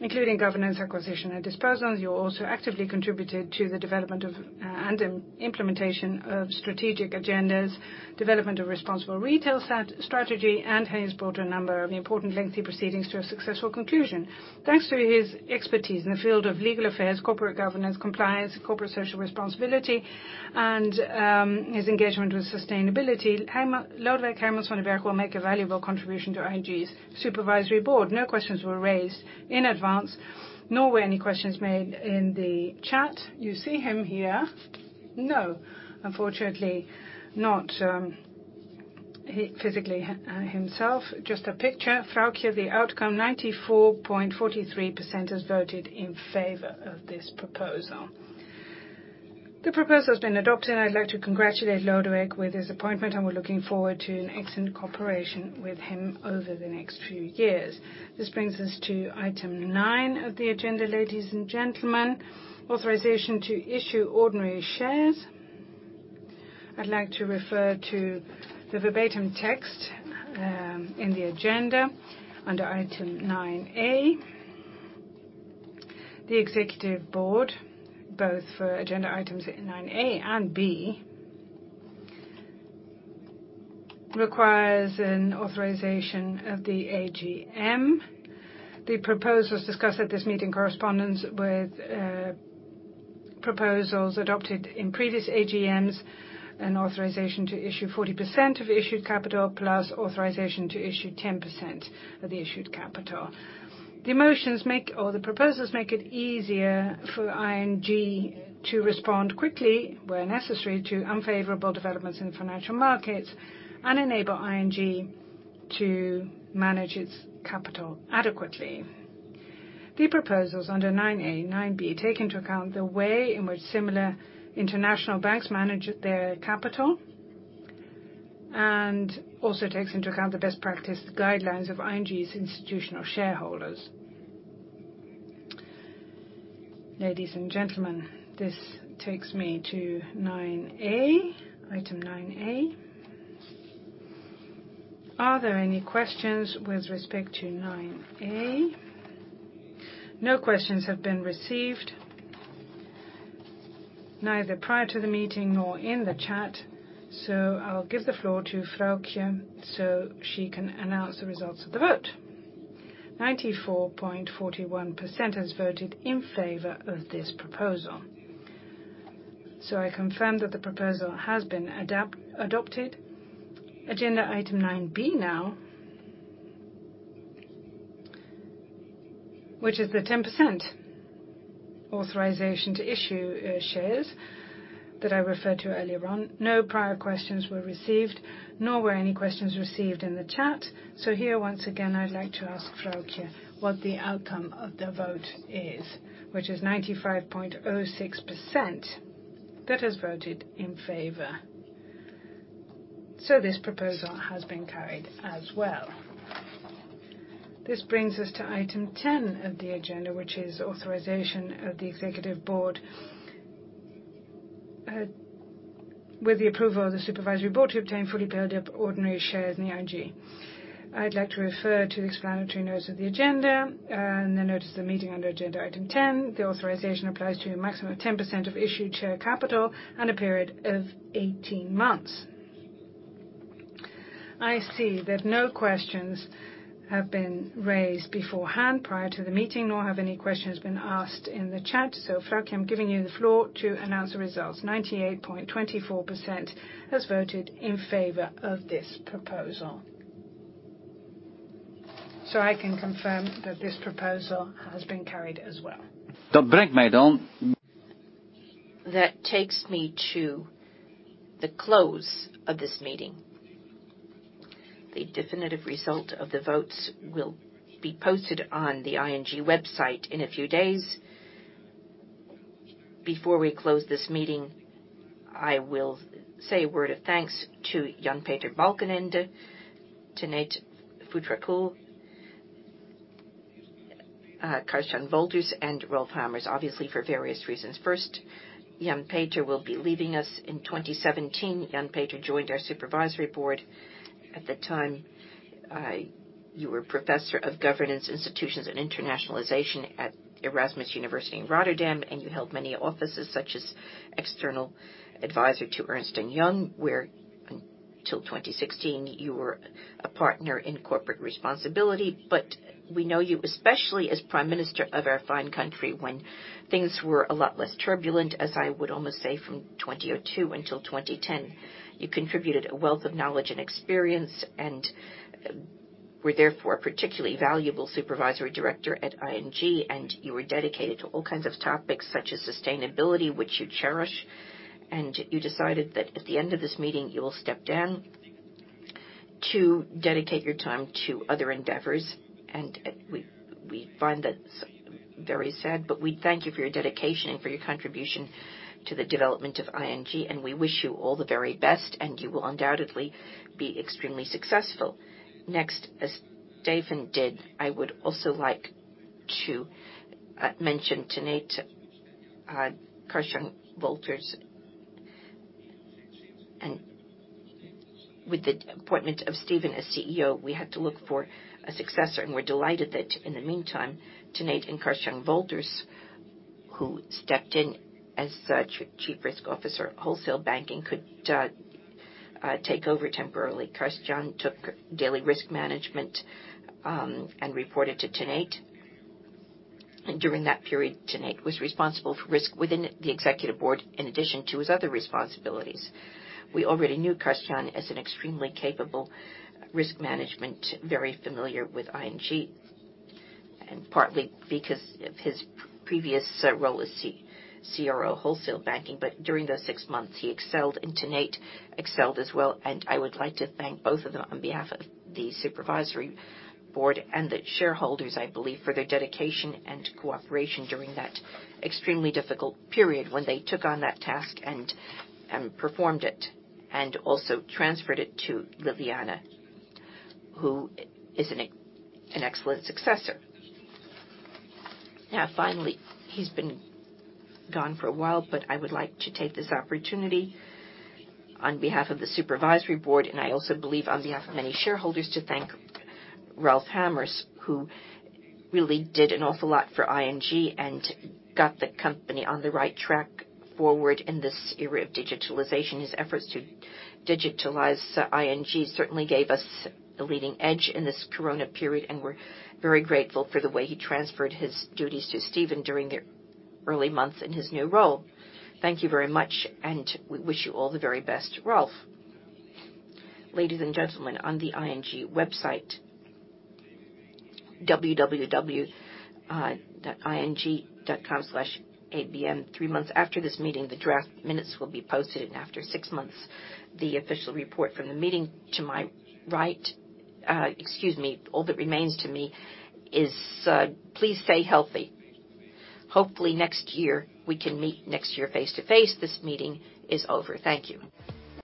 including governance, acquisition, and disposals. He also actively contributed to the development of and implementation of strategic agendas, development of responsible retail strategy, and he has brought a number of important lengthy proceedings to a successful conclusion. Thanks to his expertise in the field of legal affairs, corporate governance, compliance, corporate social responsibility, and his engagement with sustainability, Lodewijk Hijmans van den Bergh will make a valuable contribution to ING's Supervisory Board. No questions were raised in advance, nor were any questions made in the chat. You see him here. No. Unfortunately, not physically himself, just a picture. Vroukje, the outcome, 94.43% has voted in favor of this proposal. The proposal has been adopted. I'd like to congratulate Lodewijk with his appointment, and we're looking forward to an excellent cooperation with him over the next few years. This brings us to item nine of the agenda, ladies and gentlemen, authorization to issue ordinary shares. I'd like to refer to the verbatim text in the agenda under item 9A. The executive board, both for agenda items 9A and B, requires an authorization of the AGM. The proposals discussed at this meeting corresponds with proposals adopted in previous AGMs and authorization to issue 40% of issued capital, plus authorization to issue 10% of the issued capital. The proposals make it easier for ING to respond quickly where necessary to unfavorable developments in financial markets and enable ING to manage its capital adequately. The proposals under nine take into account the way in which similar international banks manage their capital and also takes into account the best practice guidelines of ING's institutional shareholders. Ladies and gentlemen, this takes me to item nine. Are there any questions with respect to nine? No questions have been received, neither prior to the meeting nor in the chat. I'll give the floor to Vroukje so she can announce the results of the vote. 94.41% has voted in favor of this proposal. I confirm that the proposal has been adopted. Agenda item nine now, which is the 10% authorization to issue shares that I referred to earlier on. No prior questions were received, nor were any questions received in the chat. Here, once again, I'd like to ask Vroukje what the outcome of the vote is, which is 95.06% that has voted in favor. This proposal has been carried as well. This brings us to item 10 of the agenda, which is authorization of the executive board with the approval of the supervisory board to obtain fully paid-up ordinary shares in the ING. I'd like to refer to the explanatory notes of the agenda and the notice of the meeting under agenda item 10. The authorization applies to a maximum of 10% of issued share capital and a period of 18 months. I see that no questions have been raised beforehand prior to the meeting, nor have any questions been asked in the chat. Vroukje, I'm giving you the floor to announce the results. 98.24% has voted in favor of this proposal. I can confirm that this proposal has been carried as well. That takes me to the close of this meeting. The definitive result of the votes will be posted on the ING website in a few days. Before we close this meeting, I will say a word of thanks to Jan Peter Balkenende, Tanate Phutrakul, Karst-Jan Wolters, and Ralph Hamers, obviously for various reasons. First, Jan Peter will be leaving us in 2017. Jan Peter joined our supervisory board. At the time, you were professor of governance institutions and internationalization at Erasmus University Rotterdam, and you held many offices such as external advisor to Ernst & Young, where until 2016 you were a partner in corporate responsibility. We know you especially as Prime Minister of our fine country when things were a lot less turbulent, as I would almost say, from 2002 until 2010. You contributed a wealth of knowledge and experience and were therefore a particularly valuable supervisory director at ING, and you were dedicated to all kinds of topics such as sustainability, which you cherish. You decided that at the end of this meeting, you will step down to dedicate your time to other endeavors. We find that very sad, but we thank you for your dedication and for your contribution to the development of ING, and we wish you all the very best, and you will undoubtedly be extremely successful. Next, as Steven did, I would also like to mention Tanate, Karst Jan Wolters. With the appointment of Steven as CEO, we had to look for a successor, and we're delighted that in the meantime, Tanate and Karst Jan Wolters, who stepped in as Chief Risk Officer at Wholesale Banking could take over temporarily. Karst-Jan took daily risk management and reported to Tanate. During that period, Tanate was responsible for risk within the Executive Board in addition to his other responsibilities. We already knew Karst-Jan as an extremely capable risk management, very familiar with ING, and partly because of his previous role as CRO Wholesale Banking. During those six months, he excelled and Tanate excelled as well, and I would like to thank both of them on behalf of the Supervisory Board and the shareholders, I believe, for their dedication and cooperation during that extremely difficult period when they took on that task and performed it, and also transferred it to Ljiljana, who is an excellent successor. Finally, he's been gone for a while, but I would like to take this opportunity on behalf of the Supervisory Board, I also believe on behalf of many shareholders to thank Ralph Hamers, who really did an awful lot for ING and got the company on the right track forward in this era of digitalization. His efforts to digitalize ING certainly gave us a leading edge in this Corona period, we're very grateful for the way he transferred his duties to Steven during the early months in his new role. Thank you very much, we wish you all the very best, Ralph. Ladies and gentlemen, on the ING website, www.ing.com/agm, three months after this meeting, the draft minutes will be posted, after six months, the official report from the meeting to my right. Excuse me. All that remains to me is, please stay healthy. Hopefully next year, we can meet next year face-to-face. This meeting is over. Thank you.